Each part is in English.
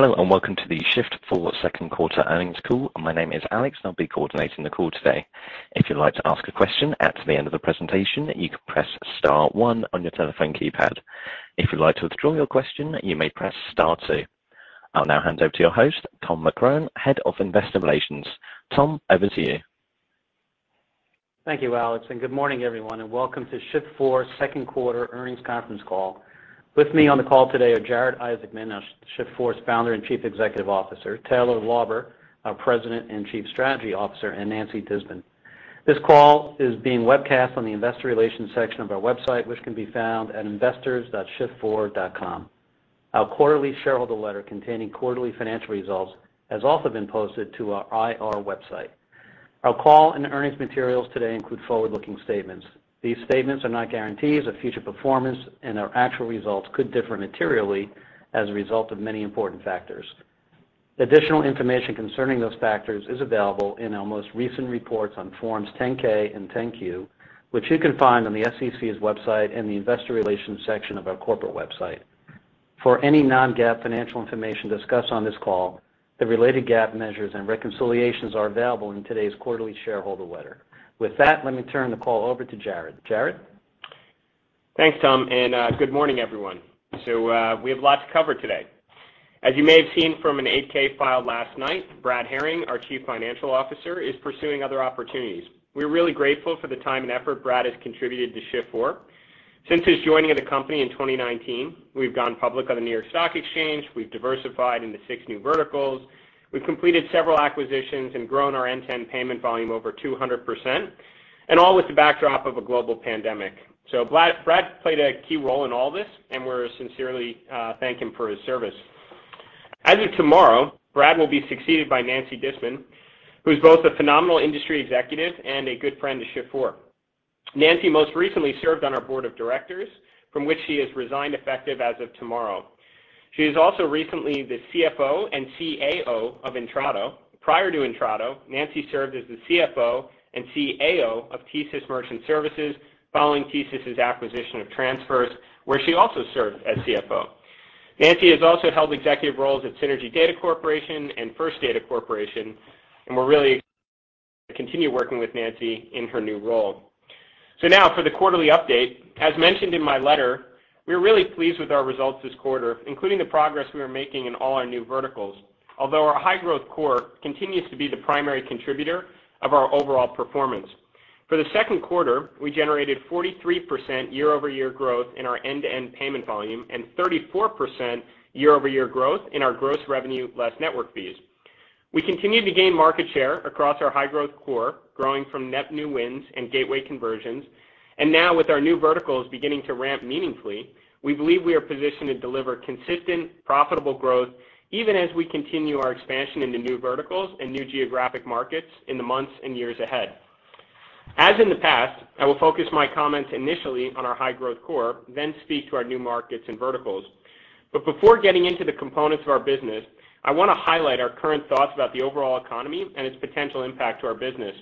Hello, and welcome to the Shift4 Second Quarter earnings call. My name is Alex, and I'll be coordinating the call today. If you'd like to ask a question at the end of the presentation, you can press star one on your telephone keypad. If you'd like to withdraw your question, you may press star two. I'll now hand over to your host, Tom McCrohan, Head of Investor Relations. Tom, over to you. Thank you, Alex, and good morning everyone, and welcome to Shift4 second quarter earnings conference call. With me on the call today are Jared Isaacman, Shift4's Founder and Chief Executive Officer, Taylor Lauber, our President and Chief Strategy Officer, and Nancy Disman. This call is being webcast on the investor relations section of our website, which can be found at investors.shift4.com. Our quarterly shareholder letter containing quarterly financial results has also been posted to our IR website. Our call and earnings materials today include forward-looking statements. These statements are not guarantees of future performance, and our actual results could differ materially as a result of many important factors. Additional information concerning those factors is available in our most recent reports on Forms 10-K and 10-Q, which you can find on the SEC's website in the investor relations section of our corporate website. For any non-GAAP financial information discussed on this call, the related GAAP measures and reconciliations are available in today's quarterly shareholder letter. With that, let me turn the call over to Jared. Jared? Thanks, Tom, and good morning everyone. We have a lot to cover today. As you may have seen from an 8-K filed last night, Brad Herring, our Chief Financial Officer, is pursuing other opportunities. We're really grateful for the time and effort Brad has contributed to Shift4. Since his joining of the company in 2019, we've gone public on the New York Stock Exchange, we've diversified into six new verticals, we've completed several acquisitions and grown our end-to-end payment volume over 200%, and all with the backdrop of a global pandemic. Brad played a key role in all this, and we sincerely thank him for his service. As of tomorrow, Brad will be succeeded by Nancy Disman, who's both a phenomenal industry executive and a good friend to Shift4. Nancy most recently served on our board of directors, from which she has resigned effective as of tomorrow. She was also recently the CFO and CAO of Intrado. Prior to Intrado, Nancy served as the CFO and CAO of TSYS Merchant Solutions following TSYS' acquisition of TransFirst, where she also served as CFO. Nancy has also held executive roles at Cynergy Data Corporation and First Data Corporation, and we're really excited to continue working with Nancy in her new role. Now for the quarterly update. As mentioned in my letter, we're really pleased with our results this quarter, including the progress we are making in all our new verticals. Although our high-growth core continues to be the primary contributor of our overall performance. For the second quarter, we generated 43% year-over-year growth in our end-to-end payment volume and 34% year-over-year growth in our gross revenue less network fees. We continue to gain market share across our high-growth core, growing from net new wins and gateway conversions. Now with our new verticals beginning to ramp meaningfully, we believe we are positioned to deliver consistent, profitable growth even as we continue our expansion into new verticals and new geographic markets in the months and years ahead. As in the past, I will focus my comments initially on our high-growth core, then speak to our new markets and verticals. Before getting into the components of our business, I want to highlight our current thoughts about the overall economy and its potential impact to our business.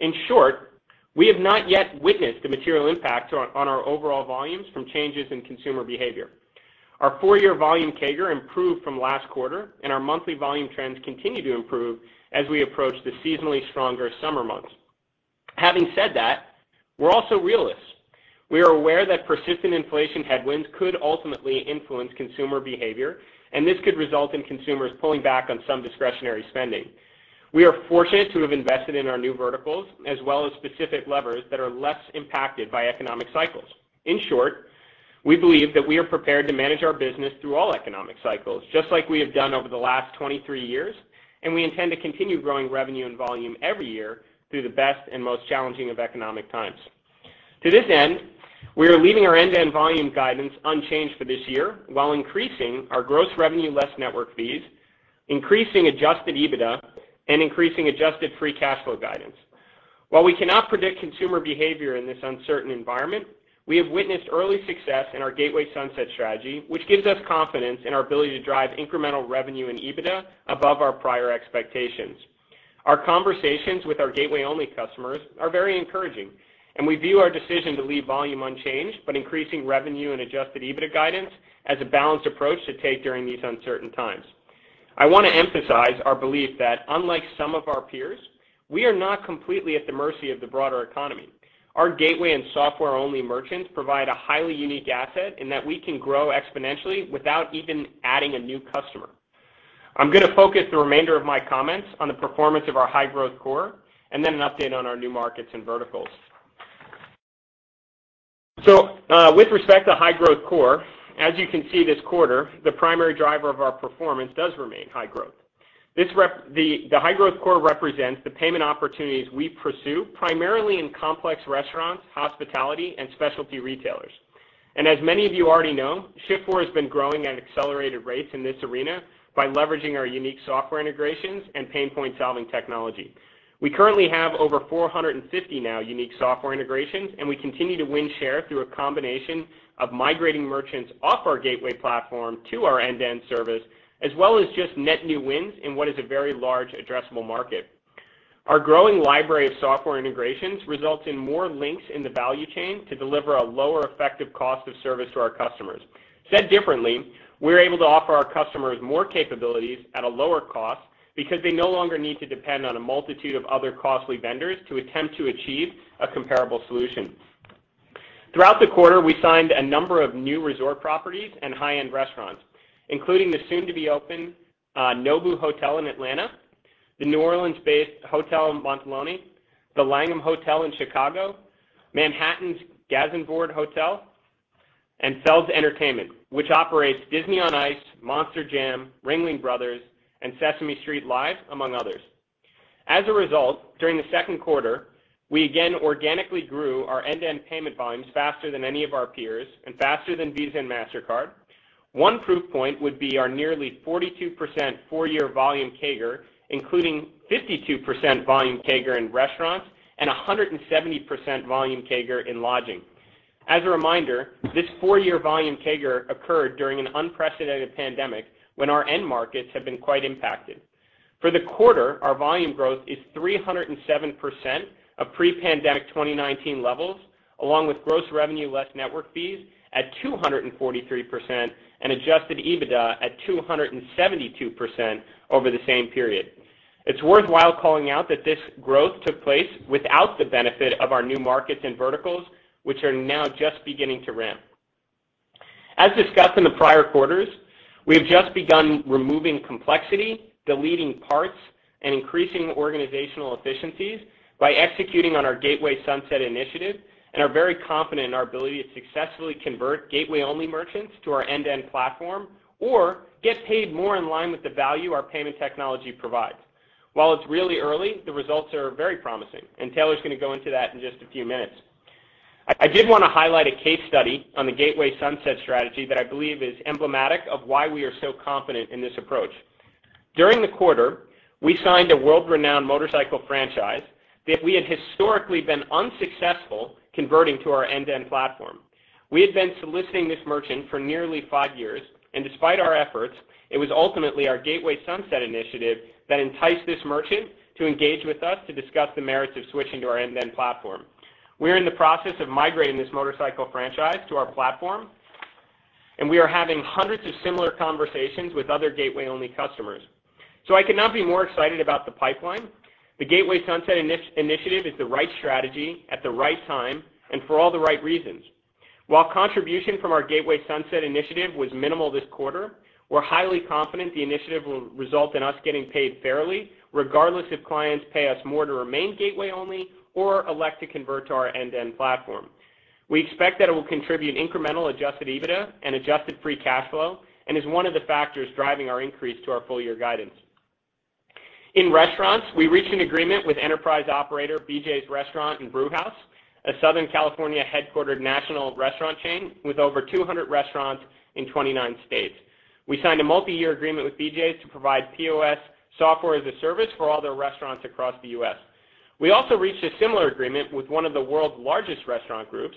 In short, we have not yet witnessed a material impact on our overall volumes from changes in consumer behavior. Our four-year volume CAGR improved from last quarter, and our monthly volume trends continue to improve as we approach the seasonally stronger summer months. Having said that, we're also realists. We are aware that persistent inflation headwinds could ultimately influence consumer behavior, and this could result in consumers pulling back on some discretionary spending. We are fortunate to have invested in our new verticals as well as specific levers that are less impacted by economic cycles. In short, we believe that we are prepared to manage our business through all economic cycles, just like we have done over the last 23 years, and we intend to continue growing revenue and volume every year through the best and most challenging of economic times. To this end, we are leaving our end-to-end volume guidance unchanged for this year while increasing our gross revenue less network fees, increasing Adjusted EBITDA, and increasing adjusted free cash flow guidance. While we cannot predict consumer behavior in this uncertain environment, we have witnessed early success in our Gateway Sunset strategy, which gives us confidence in our ability to drive incremental revenue and EBITDA above our prior expectations. Our conversations with our gateway-only customers are very encouraging, and we view our decision to leave volume unchanged but increasing revenue and Adjusted EBITDA guidance as a balanced approach to take during these uncertain times. I want to emphasize our belief that unlike some of our peers, we are not completely at the mercy of the broader economy. Our gateway and software-only merchants provide a highly unique asset in that we can grow exponentially without even adding a new customer. I'm going to focus the remainder of my comments on the performance of our high-growth core and then an update on our new markets and verticals. With respect to high-growth core, as you can see this quarter, the primary driver of our performance does remain high growth. The high-growth core represents the payment opportunities we pursue primarily in complex restaurants, hospitality, and specialty retailers. As many of you already know, Shift4 has been growing at accelerated rates in this arena by leveraging our unique software integrations and pain point-solving technology. We currently have over 450 now unique software integrations, and we continue to win share through a combination of migrating merchants off our gateway platform to our end-to-end service, as well as just net new wins in what is a very large addressable market. Our growing library of software integrations results in more links in the value chain to deliver a lower effective cost of service to our customers. Said differently, we're able to offer our customers more capabilities at a lower cost because they no longer need to depend on a multitude of other costly vendors to attempt to achieve a comparable solution. Throughout the quarter, we signed a number of new resort properties and high-end restaurants, including the soon-to-be-open Nobu Hotel in Atlanta, the New Orleans-based Hotel Monteleone, The Langham in Chicago, Manhattan's Gansevoort Hotel NYC, and Feld Entertainment, which operates Disney on Ice, Monster Jam, Ringling Bros. and Sesame Street Live!, among others. As a result, during the second quarter, we again organically grew our end-to-end payment volumes faster than any of our peers, and faster than Visa and Mastercard. One proof point would be our nearly 42% four-year volume CAGR, including 52% volume CAGR in restaurants and 170% volume CAGR in lodging. As a reminder, this four-year volume CAGR occurred during an unprecedented pandemic when our end markets have been quite impacted. For the quarter, our volume growth is 307% of pre-pandemic 2019 levels, along with gross revenue less network fees at 243% and Adjusted EBITDA at 272% over the same period. It's worthwhile calling out that this growth took place without the benefit of our new markets and verticals, which are now just beginning to ramp. As discussed in the prior quarters, we have just begun removing complexity, deleting parts, and increasing organizational efficiencies by executing on our Gateway Sunset initiative, and are very confident in our ability to successfully convert gateway-only merchants to our end-to-end platform or get paid more in line with the value our payment technology provides. While it's really early, the results are very promising, and Taylor's gonna go into that in just a few minutes. I did wanna highlight a case study on the Gateway Sunset strategy that I believe is emblematic of why we are so confident in this approach. During the quarter, we signed a world-renowned motorcycle franchise that we had historically been unsuccessful converting to our end-to-end platform. We had been soliciting this merchant for nearly five years, and despite our efforts, it was ultimately our Gateway Sunset initiative that enticed this merchant to engage with us to discuss the merits of switching to our end-to-end platform. We're in the process of migrating this motorcycle franchise to our platform, and we are having hundreds of similar conversations with other gateway-only customers. I cannot be more excited about the pipeline. The Gateway Sunset initiative is the right strategy at the right time and for all the right reasons. While contribution from our Gateway Sunset initiative was minimal this quarter, we're highly confident the initiative will result in us getting paid fairly, regardless if clients pay us more to remain gateway only or elect to convert to our end-to-end platform. We expect that it will contribute incremental Adjusted EBITDA and adjusted free cash flow, and is one of the factors driving our increase to our full-year guidance. In restaurants, we reached an agreement with enterprise operator BJ's Restaurant & Brewhouse, a Southern California-headquartered national restaurant chain with over 200 restaurants in 29 states. We signed a multiyear agreement with BJ's to provide POS software as a service for all their restaurants across the U.S. We also reached a similar agreement with one of the world's largest restaurant groups.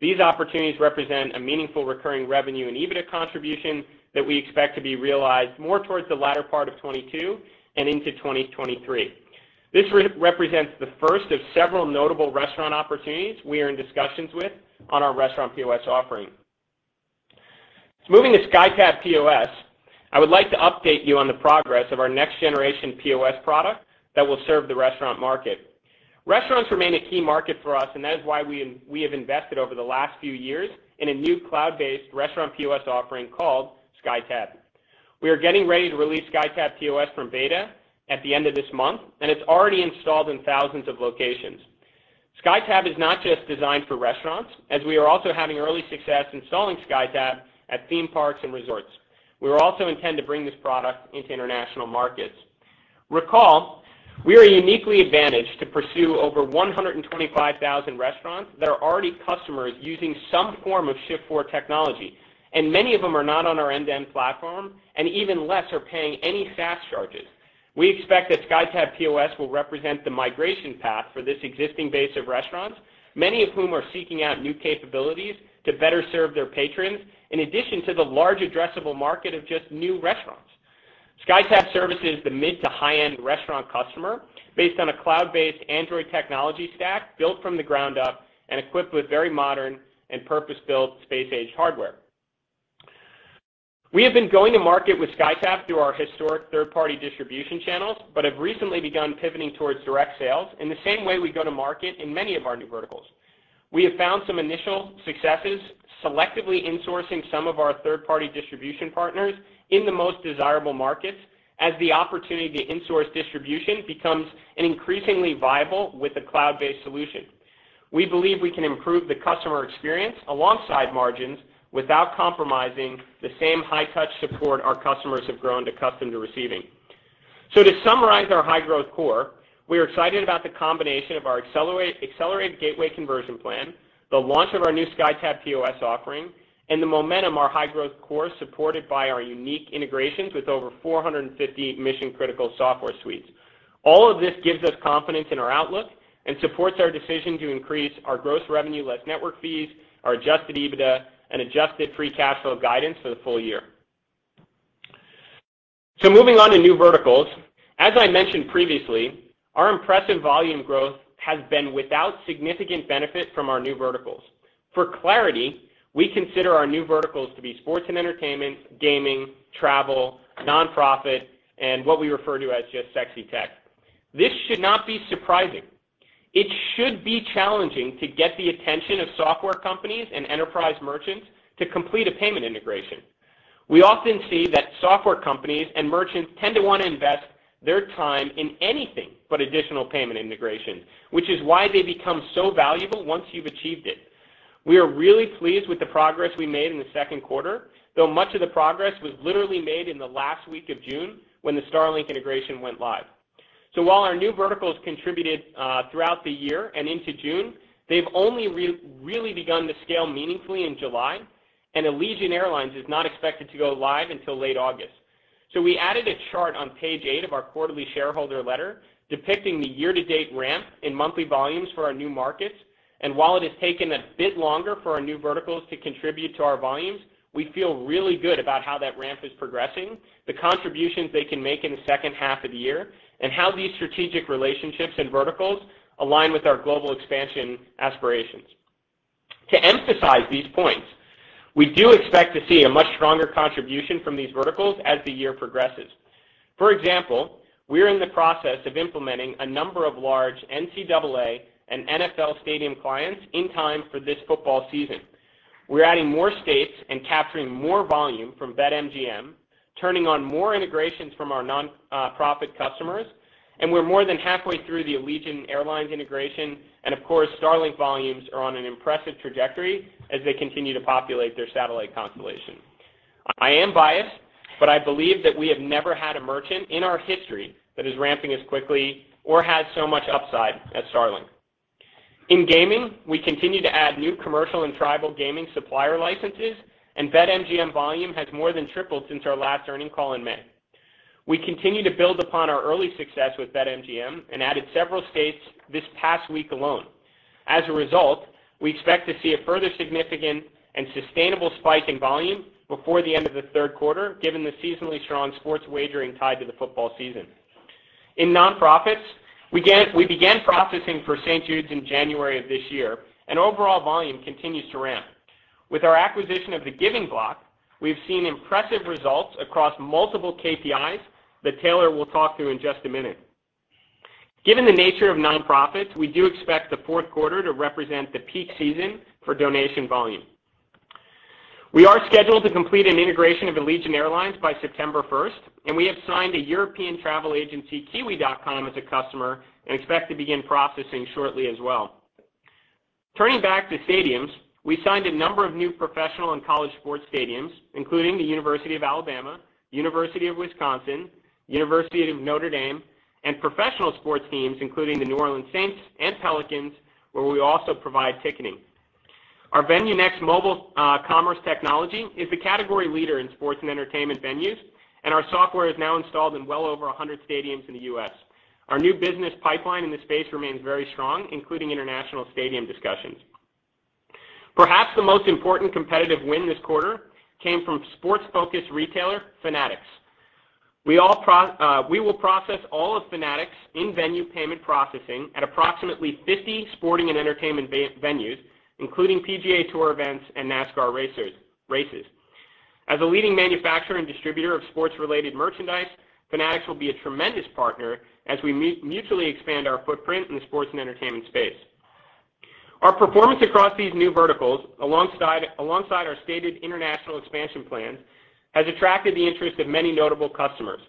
These opportunities represent a meaningful recurring revenue and EBITDA contribution that we expect to be realized more towards the latter part of 2022 and into 2023. This represents the first of several notable restaurant opportunities we are in discussions with on our restaurant POS offering. Moving to SkyTab POS, I would like to update you on the progress of our next generation POS product that will serve the restaurant market. Restaurants remain a key market for us, and that is why we have invested over the last few years in a new cloud-based restaurant POS offering called SkyTab. We are getting ready to release SkyTab POS from beta at the end of this month, and it's already installed in thousands of locations. SkyTab is not just designed for restaurants, as we are also having early success installing SkyTab at theme parks and resorts. We also intend to bring this product into international markets. Recall, we are uniquely advantaged to pursue over 125,000 restaurants that are already customers using some form of Shift4 technology, and many of them are not on our end-to-end platform, and even less are paying any SaaS charges. We expect that SkyTab POS will represent the migration path for this existing base of restaurants, many of whom are seeking out new capabilities to better serve their patrons, in addition to the large addressable market of just new restaurants. SkyTab services the mid to high-end restaurant customer based on a cloud-based Android technology stack built from the ground up and equipped with very modern and purpose-built space-age hardware. We have been going to market with SkyTab through our historic third-party distribution channels, but have recently begun pivoting towards direct sales in the same way we go to market in many of our new verticals. We have found some initial successes selectively insourcing some of our third-party distribution partners in the most desirable markets, as the opportunity to insource distribution becomes an increasingly viable with a cloud-based solution. We believe we can improve the customer experience alongside margins without compromising the same high touch support our customers have grown accustomed to receiving. To summarize our high growth core, we are excited about the combination of our accelerated gateway conversion plan, the launch of our new SkyTab POS offering, and the momentum of our high growth core supported by our unique integrations with over 450 mission-critical software suites. All of this gives us confidence in our outlook and supports our decision to increase our gross revenue less network fees, our Adjusted EBITDA, and adjusted free cash flow guidance for the full year. Moving on to new verticals. As I mentioned previously, our impressive volume growth has been without significant benefit from our new verticals. For clarity, we consider our new verticals to be sports and entertainment, gaming, travel, nonprofit, and what we refer to as just sexy tech. This should not be surprising. It should be challenging to get the attention of software companies and enterprise merchants to complete a payment integration. We often see that software companies and merchants tend to want to invest their time in anything but additional payment integration, which is why they become so valuable once you've achieved it. We are really pleased with the progress we made in the second quarter, though much of the progress was literally made in the last week of June when the Starlink integration went live. While our new verticals contributed throughout the year and into June, they've only really begun to scale meaningfully in July, and Allegiant Air is not expected to go live until late August. We added a chart on page eight of our quarterly shareholder letter depicting the year-to-date ramp in monthly volumes for our new markets. While it has taken a bit longer for our new verticals to contribute to our volumes, we feel really good about how that ramp is progressing, the contributions they can make in the second half of the year, and how these strategic relationships and verticals align with our global expansion aspirations. To emphasize these points, we do expect to see a much stronger contribution from these verticals as the year progresses. For example, we're in the process of implementing a number of large NCAA and NFL stadium clients in time for this football season. We're adding more states and capturing more volume from BetMGM, turning on more integrations from our nonprofit customers, and we're more than halfway through the Allegiant Air integration. Of course, Starlink volumes are on an impressive trajectory as they continue to populate their satellite constellation. I am biased, but I believe that we have never had a merchant in our history that is ramping as quickly or has so much upside as Starlink. In gaming, we continue to add new commercial and tribal gaming supplier licenses, and BetMGM volume has more than tripled since our last earnings call in May. We continue to build upon our early success with BetMGM and added several states this past week alone. As a result, we expect to see a further significant and sustainable spike in volume before the end of the third quarter, given the seasonally strong sports wagering tied to the football season. In nonprofits, we began processing for St. Jude's in January of this year, and overall volume continues to ramp. With our acquisition of The Giving Block, we've seen impressive results across multiple KPIs that Taylor will talk through in just a minute. Given the nature of nonprofits, we do expect the fourth quarter to represent the peak season for donation volume. We are scheduled to complete an integration of Allegiant Air by September first, and we have signed a European travel agency, Kiwi.com, as a customer and expect to begin processing shortly as well. Turning back to stadiums, we signed a number of new professional and college sports stadiums, including The University of Alabama, University of Wisconsin, University of Notre Dame, and professional sports teams, including the New Orleans Saints and Pelicans, where we also provide ticketing. Our VenueNext mobile commerce technology is the category leader in sports and entertainment venues, and our software is now installed in well over 100 stadiums in the U.S. Our new business pipeline in this space remains very strong, including international stadium discussions. Perhaps the most important competitive win this quarter came from sports-focused retailer, Fanatics. We will process all of Fanatics' in-venue payment processing at approximately 50 sporting and entertainment venues, including PGA Tour events and NASCAR races. As a leading manufacturer and distributor of sports-related merchandise, Fanatics will be a tremendous partner as we mutually expand our footprint in the sports and entertainment space. Our performance across these new verticals, alongside our stated international expansion plan, has attracted the interest of many notable customers.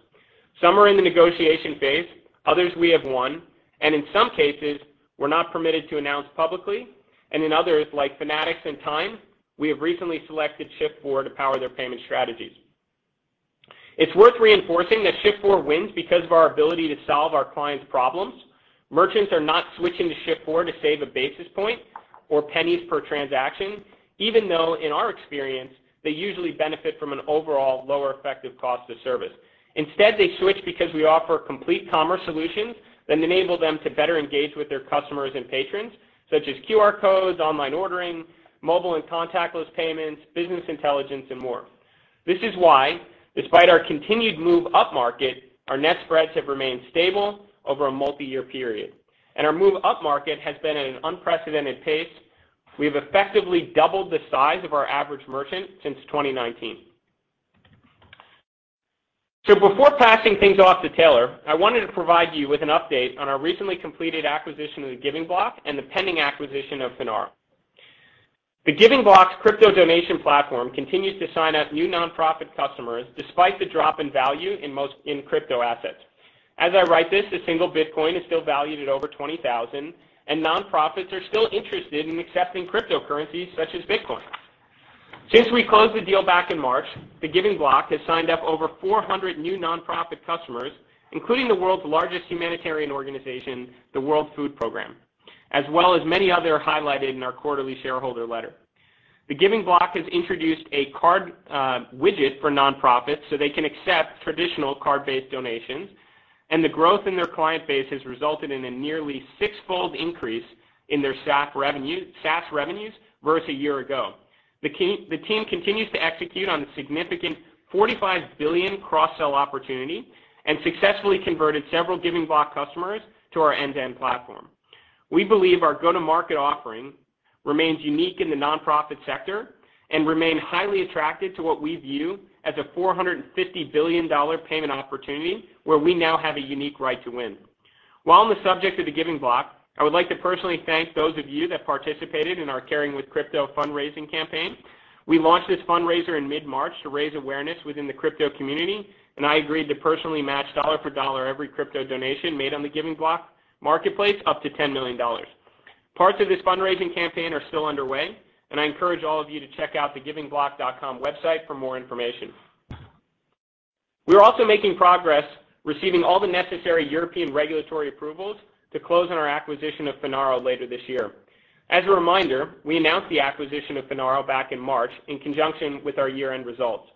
Some are in the negotiation phase, others we have won, and in some cases, we're not permitted to announce publicly, and in others, like Fanatics and Time, we have recently selected Shift4 to power their payment strategies. It's worth reinforcing that Shift4 wins because of our ability to solve our clients' problems. Merchants are not switching to Shift4 to save a basis point or pennies per transaction, even though, in our experience, they usually benefit from an overall lower effective cost of service. Instead, they switch because we offer complete commerce solutions that enable them to better engage with their customers and patrons, such as QR codes, online ordering, mobile and contactless payments, business intelligence, and more. This is why, despite our continued move upmarket, our net spreads have remained stable over a multi-year period. Our move upmarket has been at an unprecedented pace. We have effectively doubled the size of our average merchant since 2019. Before passing things off to Taylor, I wanted to provide you with an update on our recently completed acquisition of The Giving Block and the pending acquisition of Finaro. The Giving Block's crypto donation platform continues to sign up new nonprofit customers despite the drop in value in most in crypto assets. As I write this, a single Bitcoin is still valued at over $20,000, and nonprofits are still interested in accepting cryptocurrencies such as Bitcoin. Since we closed the deal back in March, The Giving Block has signed up over 400 new nonprofit customers, including the world's largest humanitarian organization, the World Food Programme, as well as many others highlighted in our quarterly shareholder letter. The Giving Block has introduced a card widget for nonprofits, so they can accept traditional card-based donations. The growth in their client base has resulted in a nearly six-fold increase in their SaaS revenues versus a year ago. The team continues to execute on the significant $45 billion cross-sell opportunity and successfully converted several The Giving Block customers to our end-to-end platform. We believe our go-to-market offering remains unique in the nonprofit sector and remain highly attracted to what we view as a $450 billion payment opportunity where we now have a unique right to win. While on the subject of The Giving Block, I would like to personally thank those of you that participated in our Caring with Crypto fundraising campaign. We launched this fundraiser in mid-March to raise awareness within the crypto community, and I agreed to personally match dollar for dollar every crypto donation made on The Giving Block marketplace up to $10 million. Parts of this fundraising campaign are still underway, and I encourage all of you to check out the givingblock.com website for more information. We are also making progress receiving all the necessary European regulatory approvals to close on our acquisition of Finaro later this year. As a reminder, we announced the acquisition of Finaro back in March in conjunction with our year-end results.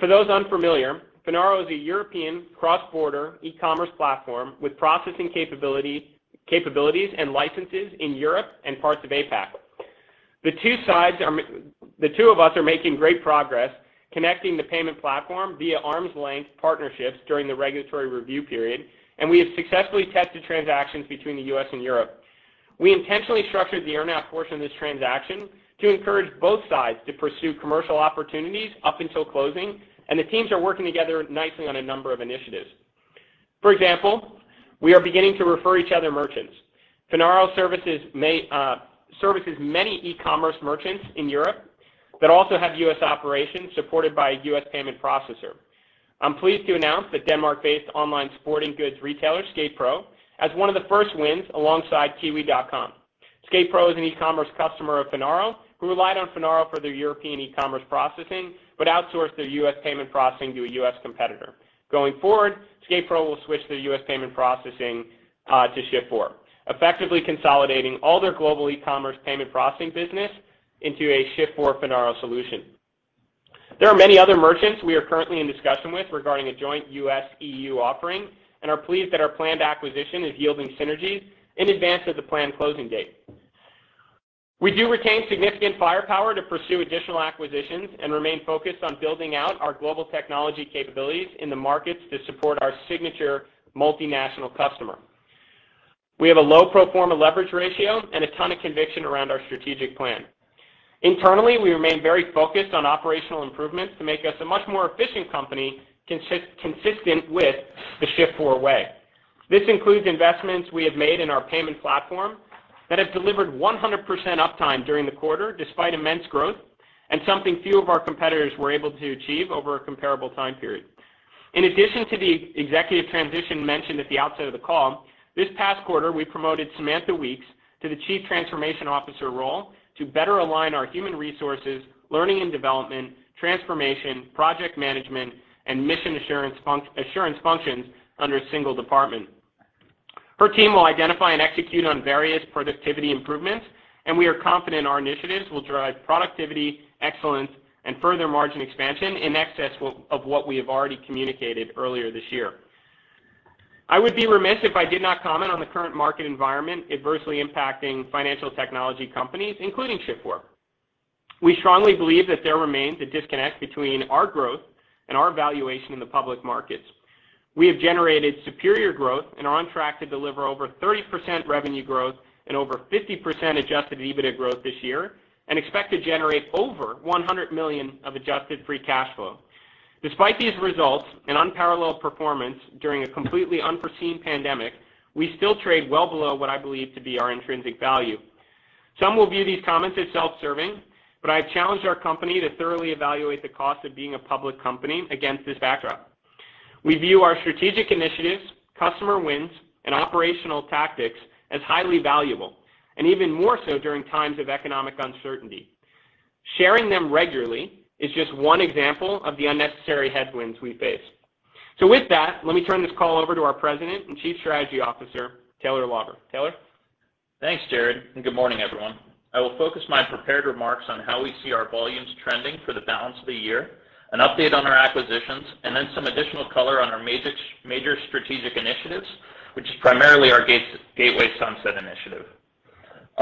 For those unfamiliar, Finaro is a European cross-border e-commerce platform with processing capability, capabilities and licenses in Europe and parts of APAC. The two of us are making great progress connecting the payment platform via arm's length partnerships during the regulatory review period, and we have successfully tested transactions between the U.S. and Europe. We intentionally structured the earn-out portion of this transaction to encourage both sides to pursue commercial opportunities up until closing, and the teams are working together nicely on a number of initiatives. For example, we are beginning to refer each other merchants. Finaro services many e-commerce merchants in Europe that also have U.S. operations supported by a U.S. payment processor. I'm pleased to announce that Denmark-based online sporting goods retailer, SkatePro, as one of the first wins alongside Kiwi.com. SkatePro is an e-commerce customer of Finaro, who relied on Finaro for their European e-commerce processing, but outsourced their U.S. payment processing to a U.S. competitor. Going forward, SkatePro will switch their U.S. payment processing to Shift4, effectively consolidating all their global e-commerce payment processing business into a Shift4 Finaro solution. There are many other merchants we are currently in discussion with regarding a joint U.S.-EU offering and are pleased that our planned acquisition is yielding synergies in advance of the planned closing date. We do retain significant firepower to pursue additional acquisitions and remain focused on building out our global technology capabilities in the markets to support our signature multinational customer. We have a low pro forma leverage ratio and a ton of conviction around our strategic plan. Internally, we remain very focused on operational improvements to make us a much more efficient company consistent with the Shift4 way. This includes investments we have made in our payment platform that have delivered 100% uptime during the quarter, despite immense growth and something few of our competitors were able to achieve over a comparable time period. In addition to the executive transition mentioned at the outset of the call, this past quarter, we promoted Samantha Weeks to the Chief Transformation Officer role to better align our human resources, learning and development, transformation, project management, and mission assurance functions under a single department. Her team will identify and execute on various productivity improvements, and we are confident our initiatives will drive productivity, excellence, and further margin expansion in excess of what we have already communicated earlier this year. I would be remiss if I did not comment on the current market environment adversely impacting financial technology companies, including Shift4. We strongly believe that there remains a disconnect between our growth and our valuation in the public markets. We have generated superior growth and are on track to deliver over 30% revenue growth and over 50% Adjusted EBITDA growth this year and expect to generate over $100 million of adjusted free cash flow. Despite these results and unparalleled performance during a completely unforeseen pandemic, we still trade well below what I believe to be our intrinsic value. Some will view these comments as self-serving, but I have challenged our company to thoroughly evaluate the cost of being a public company against this backdrop. We view our strategic initiatives, customer wins, and operational tactics as highly valuable and even more so during times of economic uncertainty. Sharing them regularly is just one example of the unnecessary headwinds we face. With that, let me turn this call over to our President and Chief Strategy Officer, Taylor Lauber. Taylor? Thanks, Jared, and good morning, everyone. I will focus my prepared remarks on how we see our volumes trending for the balance of the year, an update on our acquisitions, and then some additional color on our major strategic initiatives, which is primarily our Gateway Sunset initiative.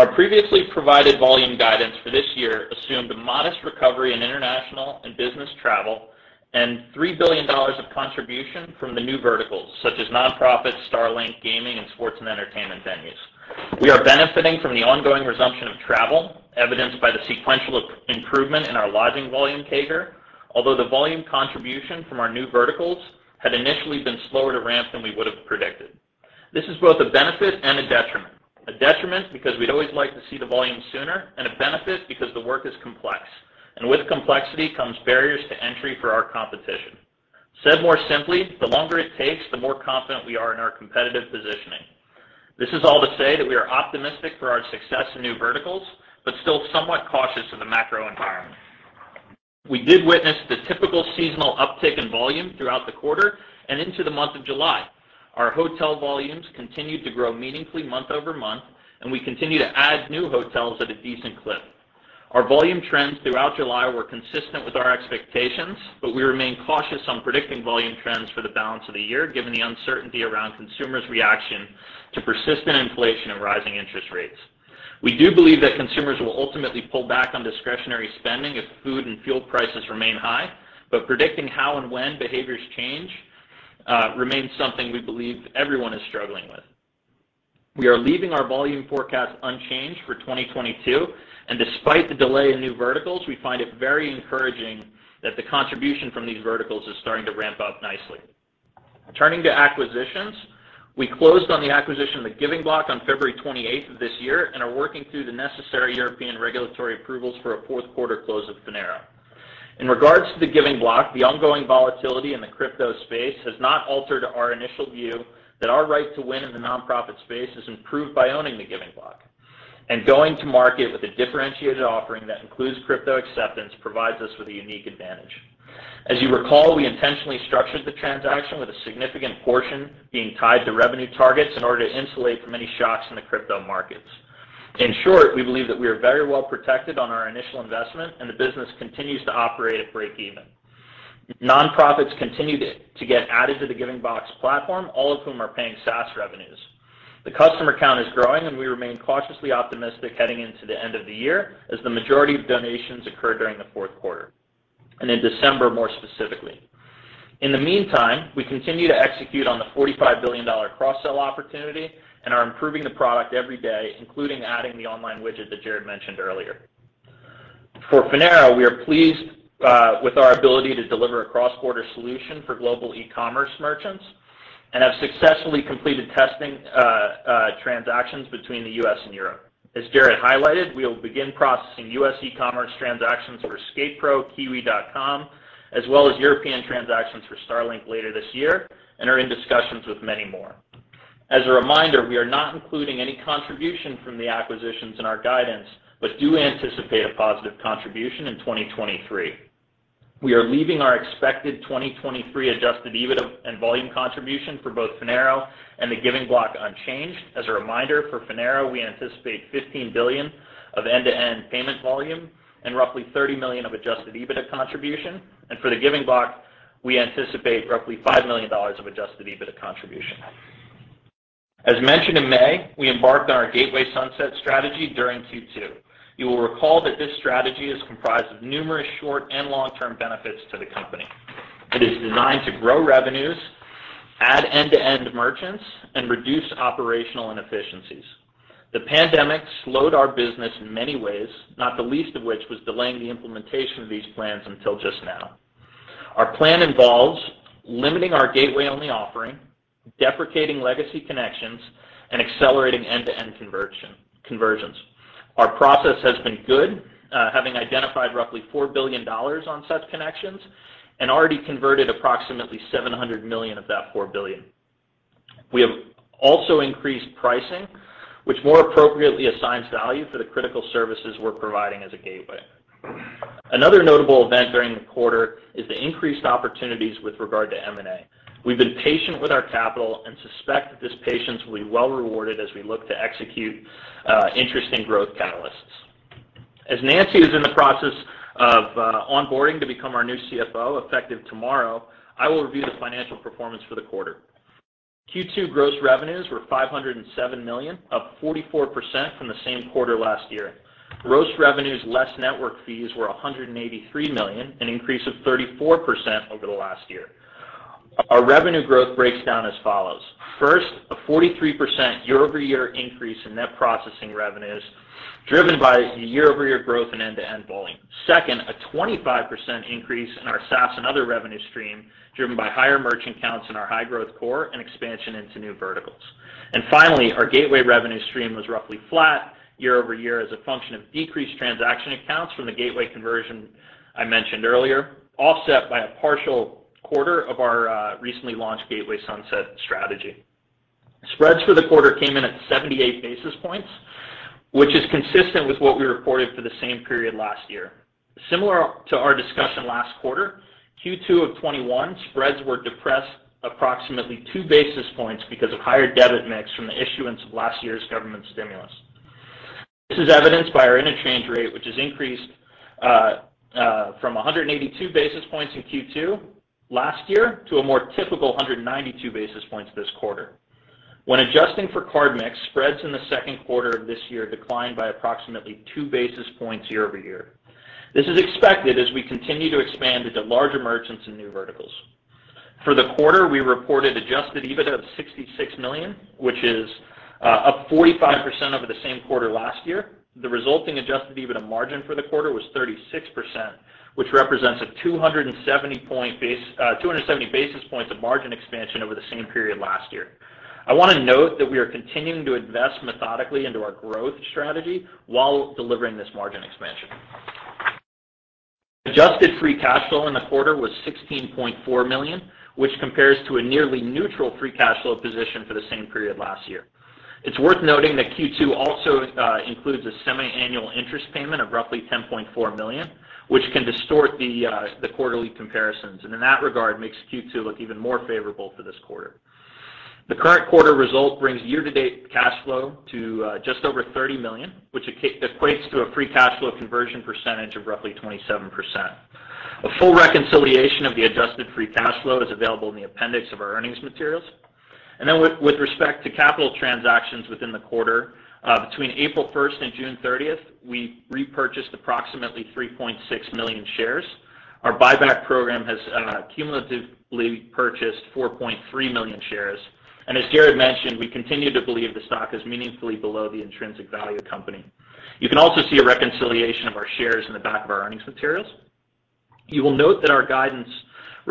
Our previously provided volume guidance for this year assumed a modest recovery in international and business travel and $3 billion of contribution from the new verticals, such as nonprofits, Starlink, gaming, and sports and entertainment venues. We are benefiting from the ongoing resumption of travel, evidenced by the sequential improvement in our lodging volume CAGR, although the volume contribution from our new verticals had initially been slower to ramp than we would have predicted. This is both a benefit and a detriment. A detriment because we'd always like to see the volume sooner and a benefit because the work is complex. With complexity comes barriers to entry for our competition. Said more simply, the longer it takes, the more confident we are in our competitive positioning. This is all to say that we are optimistic for our success in new verticals, but still somewhat cautious of the macro environment. We did witness the typical seasonal uptick in volume throughout the quarter and into the month of July. Our hotel volumes continued to grow meaningfully month-over-month, and we continue to add new hotels at a decent clip. Our volume trends throughout July were consistent with our expectations, but we remain cautious on predicting volume trends for the balance of the year, given the uncertainty around consumers' reaction to persistent inflation and rising interest rates. We do believe that consumers will ultimately pull back on discretionary spending if food and fuel prices remain high, but predicting how and when behaviors change remains something we believe everyone is struggling with. We are leaving our volume forecast unchanged for 2022, and despite the delay in new verticals, we find it very encouraging that the contribution from these verticals is starting to ramp up nicely. Turning to acquisitions, we closed on the acquisition of The Giving Block on February 28th of this year and are working through the necessary European regulatory approvals for a fourth quarter close of Finaro. In regards to The Giving Block, the ongoing volatility in the crypto space has not altered our initial view that our right to win in the nonprofit space is improved by owning The Giving Block. Going to market with a differentiated offering that includes crypto acceptance provides us with a unique advantage. As you recall, we intentionally structured the transaction with a significant portion being tied to revenue targets in order to insulate from any shocks in the crypto markets. In short, we believe that we are very well protected on our initial investment, and the business continues to operate at breakeven. Nonprofits continue to get added to The Giving Block's platform, all of whom are paying SaaS revenues. The customer count is growing, and we remain cautiously optimistic heading into the end of the year as the majority of donations occur during the fourth quarter, and in December, more specifically. In the meantime, we continue to execute on the $45 billion cross-sell opportunity and are improving the product every day, including adding the online widget that Jared mentioned earlier. For Finaro, we are pleased with our ability to deliver a cross-border solution for global e-commerce merchants and have successfully completed testing transactions between the U.S. and Europe. As Jared highlighted, we will begin processing U.S. e-commerce transactions for SkatePro, Kiwi.com, as well as European transactions for Starlink later this year, and are in discussions with many more. As a reminder, we are not including any contribution from the acquisitions in our guidance, but do anticipate a positive contribution in 2023. We are leaving our expected 2023 Adjusted EBITDA and volume contribution for both Finaro and The Giving Block unchanged. As a reminder, for Finaro, we anticipate $15 billion of end-to-end payment volume and roughly $30 million of Adjusted EBITDA contribution. For The Giving Block, we anticipate roughly $5 million of Adjusted EBITDA contribution. As mentioned in May, we embarked on our Gateway Sunset strategy during Q2. You will recall that this strategy is comprised of numerous short- and long-term benefits to the company. It is designed to grow revenues, add end-to-end merchants, and reduce operational inefficiencies. The pandemic slowed our business in many ways, not the least of which was delaying the implementation of these plans until just now. Our plan involves limiting our gateway-only offering, deprecating legacy connections, and accelerating end-to-end conversion. Our process has been good, having identified roughly $4 billion on such connections and already converted approximately $700 million of that $4 billion. We have also increased pricing, which more appropriately assigns value for the critical services we're providing as a gateway. Another notable event during the quarter is the increased opportunities with regard to M&A. We've been patient with our capital and suspect that this patience will be well rewarded as we look to execute interesting growth catalysts. As Nancy is in the process of onboarding to become our new CFO effective tomorrow, I will review the financial performance for the quarter. Q2 gross revenues were $507 million, up 44% from the same quarter last year. Gross revenues less network fees were $183 million, an increase of 34% over the last year. Our revenue growth breaks down as follows. First, a 43% year-over-year increase in net processing revenues, driven by year-over-year growth in end-to-end volume. Second, a 25% increase in our SaaS and other revenue stream, driven by higher merchant counts in our high-growth core and expansion into new verticals. Finally, our gateway revenue stream was roughly flat year-over-year as a function of decreased transaction accounts from the gateway conversion I mentioned earlier, offset by a partial quarter of our recently launched gateway sunset strategy. Spreads for the quarter came in at 78 basis points, which is consistent with what we reported for the same period last year. Similar to our discussion last quarter, Q2 of 2021, spreads were depressed approximately 2 basis points because of higher debit mix from the issuance of last year's government stimulus. This is evidenced by our interchange rate, which has increased from 182 basis points in Q2 last year to a more typical 192 basis points this quarter. When adjusting for card mix, spreads in the second quarter of this year declined by approximately 2 basis points year-over-year. This is expected as we continue to expand into larger merchants and new verticals. For the quarter, we reported Adjusted EBITDA of $66 million, which is up 45% over the same quarter last year. The resulting Adjusted EBITDA margin for the quarter was 36%, which represents 270 basis points of margin expansion over the same period last year. I want to note that we are continuing to invest methodically into our growth strategy while delivering this margin expansion. Adjusted free cash flow in the quarter was $16.4 million, which compares to a nearly neutral free cash flow position for the same period last year. It's worth noting that Q2 also includes a semiannual interest payment of roughly $10.4 million, which can distort the quarterly comparisons, and in that regard makes Q2 look even more favorable for this quarter. The current quarter result brings year-to-date cash flow to just over $30 million, which equates to a free cash flow conversion percentage of roughly 27%. A full reconciliation of the adjusted free cash flow is available in the appendix of our earnings materials. With respect to capital transactions within the quarter, between April first and June thirtieth, we repurchased approximately 3.6 million shares. Our buyback program has cumulatively purchased 4.3 million shares. As Jared mentioned, we continue to believe the stock is meaningfully below the intrinsic value of the company. You can also see a reconciliation of our shares in the back of our earnings materials. You will note that our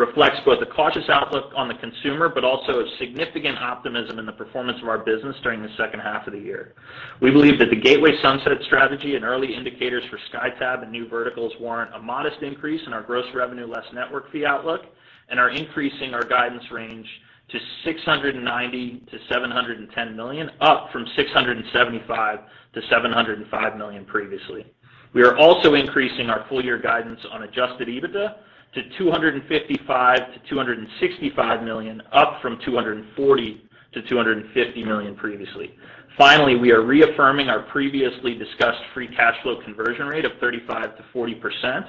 guidance reflects both a cautious outlook on the consumer, but also a significant optimism in the performance of our business during the second half of the year. We believe that the Gateway Sunset strategy and early indicators for SkyTab and new verticals warrant a modest increase in our gross revenue, less network fee outlook, and are increasing our guidance range to $690 million-$710 million, up from $675 million-$705 million previously. We are also increasing our full year guidance on Adjusted EBITDA to $255 million-$265 million, up from $240 million-$250 million previously. Finally, we are reaffirming our previously discussed free cash flow conversion rate of 35%-40%,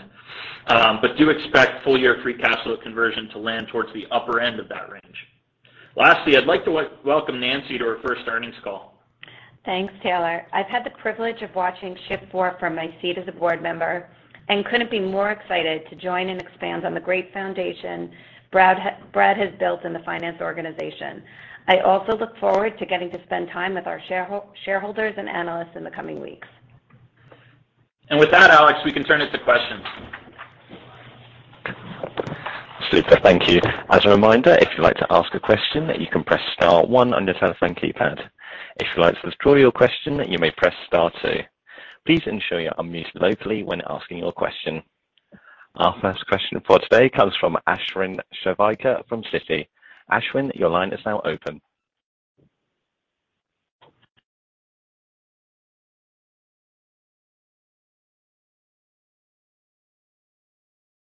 but do expect full-year free cash flow conversion to land towards the upper end of that range. Lastly, I'd like to welcome Nancy to her first earnings call. Thanks, Taylor. I've had the privilege of watching Shift4 from my seat as a board member and couldn't be more excited to join and expand on the great foundation Brad has built in the finance organization. I also look forward to getting to spend time with our shareholders and analysts in the coming weeks. With that, Alex, we can turn it to questions. Super. Thank you. As a reminder, if you'd like to ask a question, you can press star one on your telephone keypad. If you'd like to withdraw your question, you may press star two. Please ensure you are unmuted locally when asking your question. Our first question for today comes from Ashwin Shirvaikar from Citi. Ashwin, your line is now open.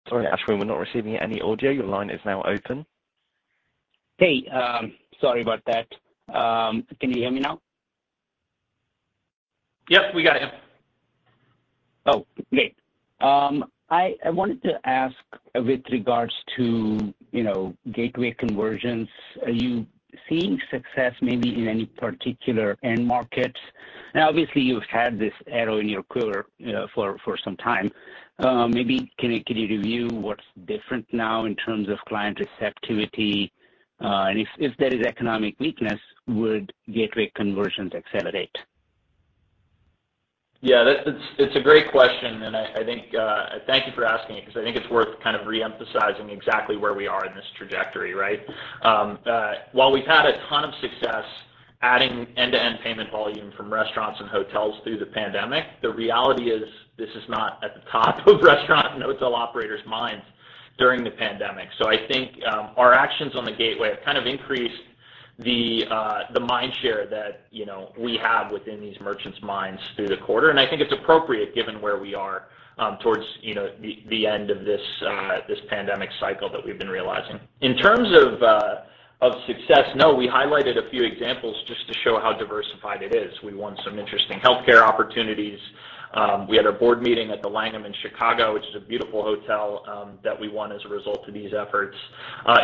Sorry, Ashwin. We're not receiving any audio. Your line is now open. Hey, sorry about that. Can you hear me now? Yes, we got you. Oh, great. I wanted to ask with regards to, you know, gateway conversions, are you seeing success maybe in any particular end markets? Now, obviously, you've had this arrow in your quiver, you know, for some time. Maybe can you review what's different now in terms of client receptivity? And if there is economic weakness, would gateway conversions accelerate? Yeah, that's it's a great question, and I think thank you for asking it because I think it's worth kind of reemphasizing exactly where we are in this trajectory, right? While we've had a ton of success adding end-to-end payment volume from restaurants and hotels through the pandemic, the reality is this is not at the top of restaurant and hotel operators' minds during the pandemic. So I think our actions on the gateway have kind of increased the mind share that you know we have within these merchants' minds through the quarter. And I think it's appropriate given where we are towards you know the end of this pandemic cycle that we've been realizing. In terms of success, no, we highlighted a few examples just to show how diversified it is. We won some interesting healthcare opportunities. We had our board meeting at The Langham, Chicago, which is a beautiful hotel, that we won as a result of these efforts.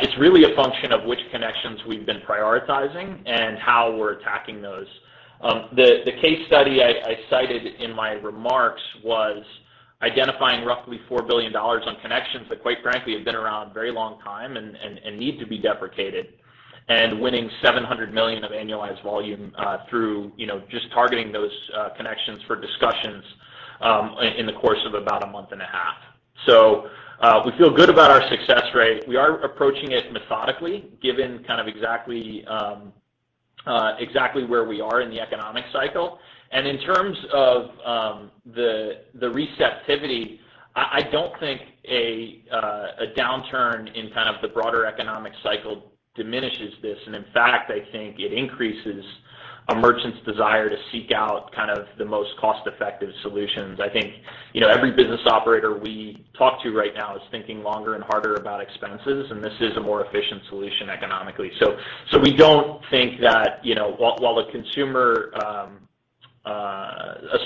It's really a function of which connections we've been prioritizing and how we're attacking those. The case study I cited in my remarks was identifying roughly $4 billion on connections that quite frankly, have been around a very long time and need to be deprecated. Winning $700 million of annualized volume, through you know, just targeting those, connections for discussions, in the course of about a month and a half. We feel good about our success rate. We are approaching it methodically, given kind of exactly where we are in the economic cycle. In terms of the receptivity, I don't think a downturn in kind of the broader economic cycle diminishes this. In fact, I think it increases a merchant's desire to seek out kind of the most cost-effective solutions. I think, you know, every business operator we talk to right now is thinking longer and harder about expenses, and this is a more efficient solution economically. We don't think that, you know, while the consumer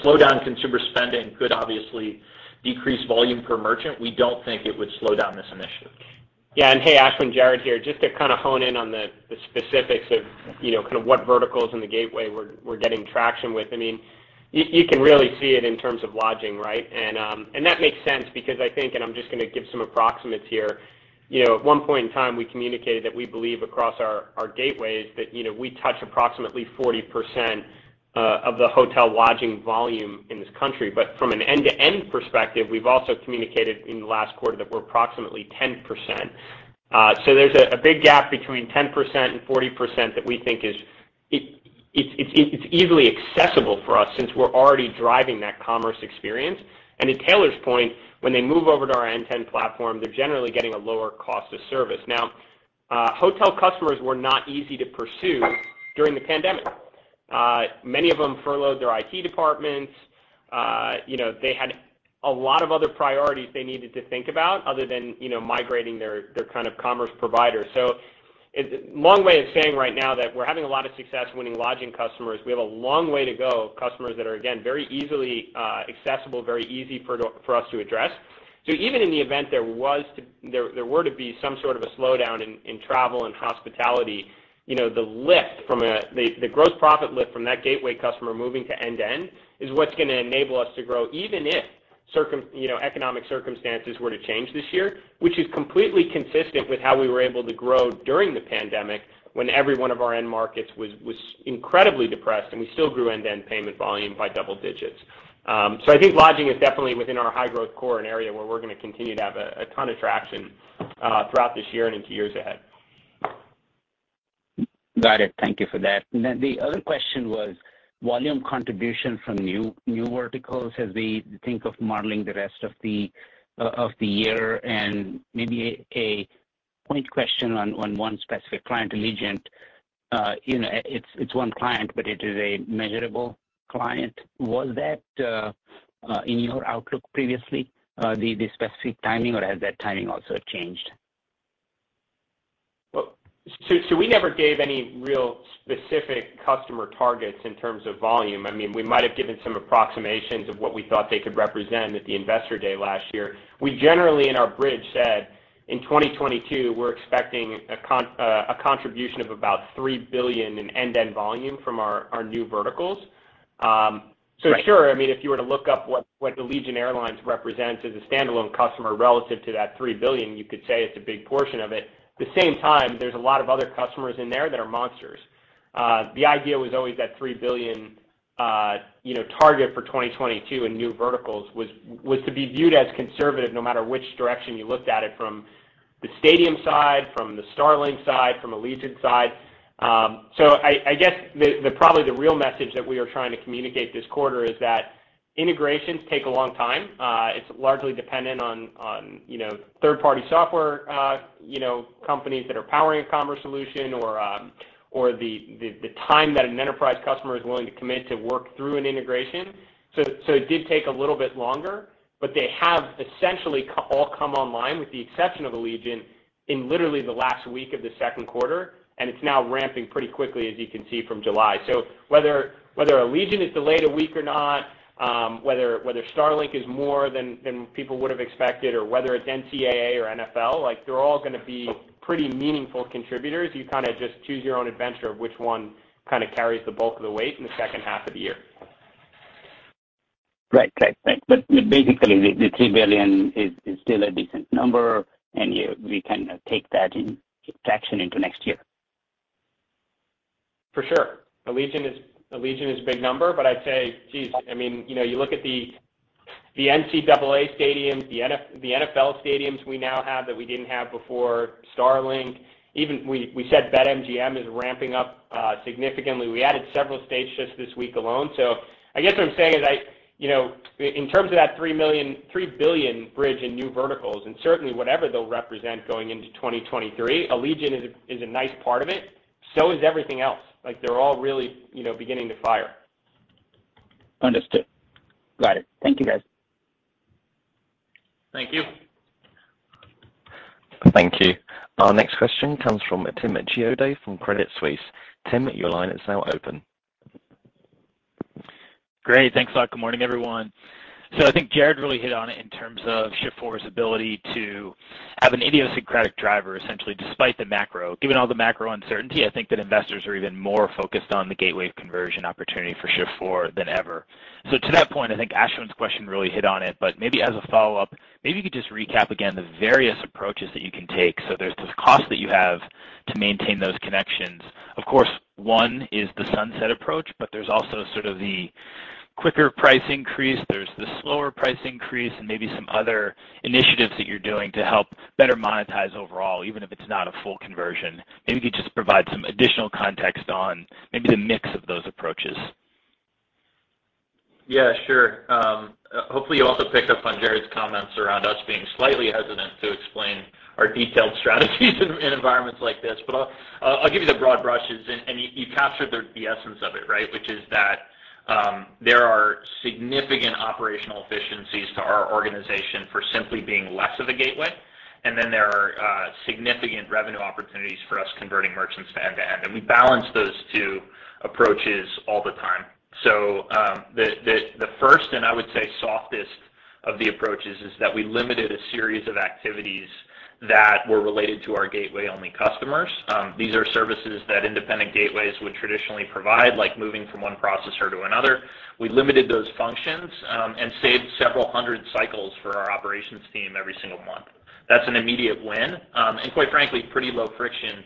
slowdown in consumer spending could obviously decrease volume per merchant, we don't think it would slow down this initiative. Yeah. Hey, Ashwin, Jared here. Just to kind of hone in on the specifics of, you know, kind of what verticals in the gateway we're getting traction with. I mean, you can really see it in terms of lodging, right? That makes sense because I think, and I'm just gonna give some approximates here. You know, at one point in time, we communicated that we believe across our gateways that, you know, we touch approximately 40% of the hotel lodging volume in this country. But from an end-to-end perspective, we've also communicated in the last quarter that we're approximately 10%. So there's a big gap between 10% and 40% that we think it's easily accessible for us since we're already driving that commerce experience. To Taylor's point, when they move over to our end-to-end platform, they're generally getting a lower cost of service. Now, hotel customers were not easy to pursue during the pandemic. Many of them furloughed their IT departments. You know, they had a lot of other priorities they needed to think about other than, you know, migrating their their kind of commerce provider. Long way of saying right now that we're having a lot of success winning lodging customers. We have a long way to go of customers that are, again, very easily accessible, very easy for for us to address. Even in the event there were to be some sort of a slowdown in travel and hospitality, you know, the gross profit lift from that gateway customer moving to end-to-end is what's gonna enable us to grow, even if you know, economic circumstances were to change this year, which is completely consistent with how we were able to grow during the pandemic when every one of our end markets was incredibly depressed, and we still grew end-to-end payment volume by double digits. I think lodging is definitely within our high growth core, an area where we're gonna continue to have a ton of traction throughout this year and into years ahead. Got it. Thank you for that. The other question was volume contribution from new verticals as we think of modeling the rest of the year, and maybe a point question on one specific client, Allegiant. You know, it's one client, but it is a measurable client. Was that in your outlook previously, the specific timing, or has that timing also changed? We never gave any real specific customer targets in terms of volume. I mean, we might have given some approximations of what we thought they could represent at the Investor Day last year. We generally, in our bridge, said in 2022, we're expecting a contribution of about $3 billion in end-to-end volume from our new verticals. Sure, I mean, if you were to look up what Allegiant Air represents as a standalone customer relative to that $3 billion, you could say it's a big portion of it. At the same time, there's a lot of other customers in there that are monsters. The idea was always that $3 billion, you know, target for 2022 in new verticals was to be viewed as conservative no matter which direction you looked at it from the stadium side, from the Starlink side, from Allegiant side. I guess probably the real message that we are trying to communicate this quarter is that integrations take a long time. It's largely dependent on, you know, third-party software, you know, companies that are powering a commerce solution or the time that an enterprise customer is willing to commit to work through an integration. It did take a little bit longer, but they have essentially all come online, with the exception of Allegiant, in literally the last week of the second quarter, and it's now ramping pretty quickly, as you can see from July. Whether Allegiant is delayed a week or not, whether Starlink is more than people would have expected or whether it's NCAA or NFL, like, they're all gonna be pretty meaningful contributors. You kind of just choose your own adventure of which one kind of carries the bulk of the weight in the second half of the year. Basically, the $3 billion is still a decent number, and we can take that as traction into next year. For sure. Allegiant is a big number, but I'd say, geez, I mean, you know, you look at the NCAA stadiums, the NFL stadiums we now have that we didn't have before, Starlink, even we said BetMGM is ramping up significantly. We added several states just this week alone. I guess what I'm saying is, you know, in terms of that $3 billion bridge in new verticals and certainly whatever they'll represent going into 2023, Allegiant is a nice part of it. So is everything else. Like, they're all really, you know, beginning to fire. Understood. Got it. Thank you, guys. Thank you. Thank you. Our next question comes from Timothy Chiodo from Credit Suisse. Tim, your line is now open. Great. Thanks a lot. Good morning, everyone. I think Jared really hit on it in terms of Shift4's ability to have an idiosyncratic driver essentially despite the macro. Given all the macro uncertainty, I think that investors are even more focused on the Gateway conversion opportunity for Shift4 than ever. To that point, I think Ashwin's question really hit on it, but maybe as a follow-up, maybe you could just recap again the various approaches that you can take. There's this cost that you have to maintain those connections. Of course, one is the sunset approach, but there's also sort of the quicker price increase, there's the slower price increase, and maybe some other initiatives that you're doing to help better monetize overall, even if it's not a full conversion. Maybe you could just provide some additional context on maybe the mix of those approaches. Yeah, sure. Hopefully you also picked up on Jared's comments around us being slightly hesitant to explain our detailed strategies in environments like this. I'll give you the broad brushes and you captured the essence of it, right? Which is that there are significant operational efficiencies to our organization for simply being less of a gateway. There are significant revenue opportunities for us converting merchants to end-to-end. We balance those two approaches all the time. The first, and I would say softest of the approaches is that we limited a series of activities that were related to our gateway-only customers. These are services that independent gateways would traditionally provide, like moving from one processor to another. We limited those functions and saved several hundred cycles for our operations team every single month. That's an immediate win and quite frankly, pretty low friction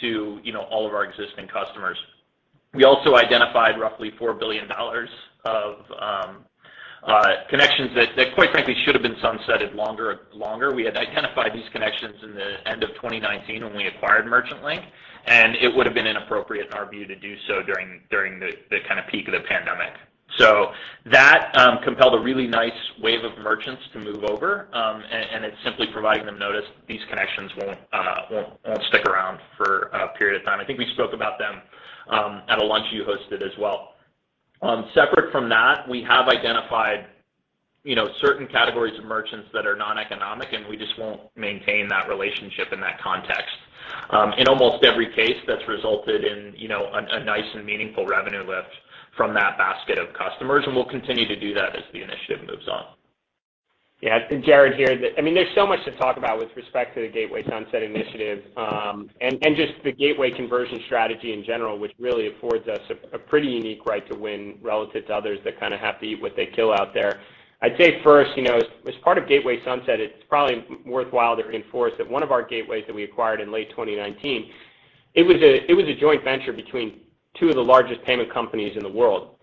to, you know, all of our existing customers. We also identified roughly $4 billion of connections that quite frankly should have been sunsetted longer. We had identified these connections at the end of 2019 when we acquired Merchant Link, and it would have been inappropriate in our view to do so during the kind of peak of the pandemic. That compelled a really nice wave of merchants to move over. It's simply providing them notice these connections won't stick around for a period of time. I think we spoke about them at a lunch you hosted as well. Separate from that, we have identified, you know, certain categories of merchants that are noneconomic, and we just won't maintain that relationship in that context. In almost every case, that's resulted in, you know, a nice and meaningful revenue lift from that basket of customers, and we'll continue to do that as the initiative moves on. Yeah. Jared here. I mean, there's so much to talk about with respect to the Gateway Sunset initiative. Just the gateway conversion strategy in general, which really affords us a pretty unique right to win relative to others that kind of have to eat what they kill out there. I'd say first, you know, as part of Gateway Sunset, it's probably worthwhile to reinforce that one of our gateways that we acquired in late 2019, it was a joint venture between two of the largest payment companies in the world.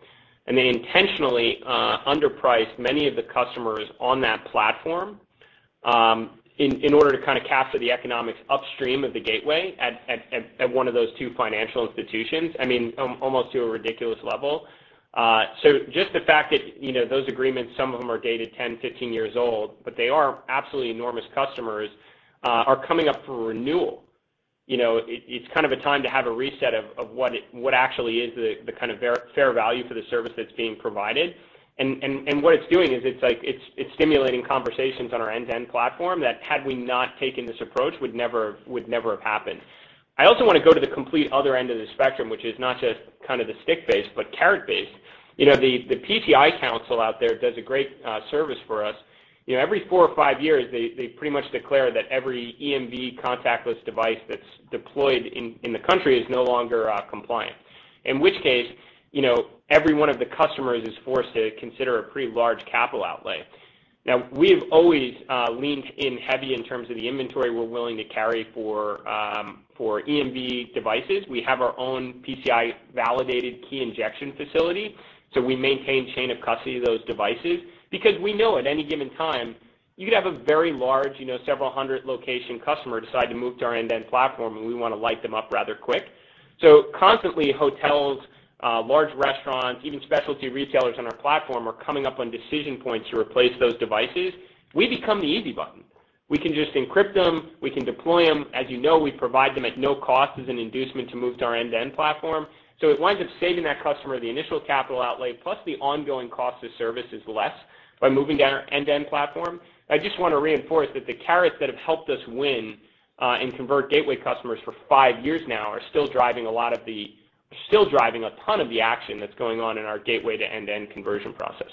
They intentionally underpriced many of the customers on that platform, in order to kind of capture the economics upstream of the gateway at one of those two financial institutions, I mean, almost to a ridiculous level. So just the fact that, you know, those agreements, some of them are dated 10, 15 years old, but they are absolutely enormous customers are coming up for renewal. You know, it's kind of a time to have a reset of what actually is the kind of fair value for the service that's being provided. What it's doing is it's stimulating conversations on our end-to-end platform that had we not taken this approach would never have happened. I also wanna go to the complete other end of the spectrum, which is not just kind of the stick-based, but carrot-based. You know, the PCI Council out there does a great service for us. You know, every four or five years, they pretty much declare that every EMV contactless device that's deployed in the country is no longer compliant. In which case, you know, every one of the customers is forced to consider a pretty large capital outlay. Now, we have always leaned in heavy in terms of the inventory we're willing to carry for EMV devices. We have our own PCI validated key injection facility, so we maintain chain of custody of those devices because we know at any given time, you could have a very large, you know, several hundred location customer decide to move to our end-to-end platform, and we wanna light them up rather quick. Constantly, hotels, large restaurants, even specialty retailers on our platform are coming up on decision points to replace those devices. We become the easy button. We can just encrypt them. We can deploy them. As you know, we provide them at no cost as an inducement to move to our end-to-end platform. It winds up saving that customer the initial capital outlay, plus the ongoing cost of service is less by moving to our end-to-end platform. I just wanna reinforce that the carrots that have helped us win and convert gateway customers for five years now are still driving a ton of the action that's going on in our gateway to end-to-end conversion process.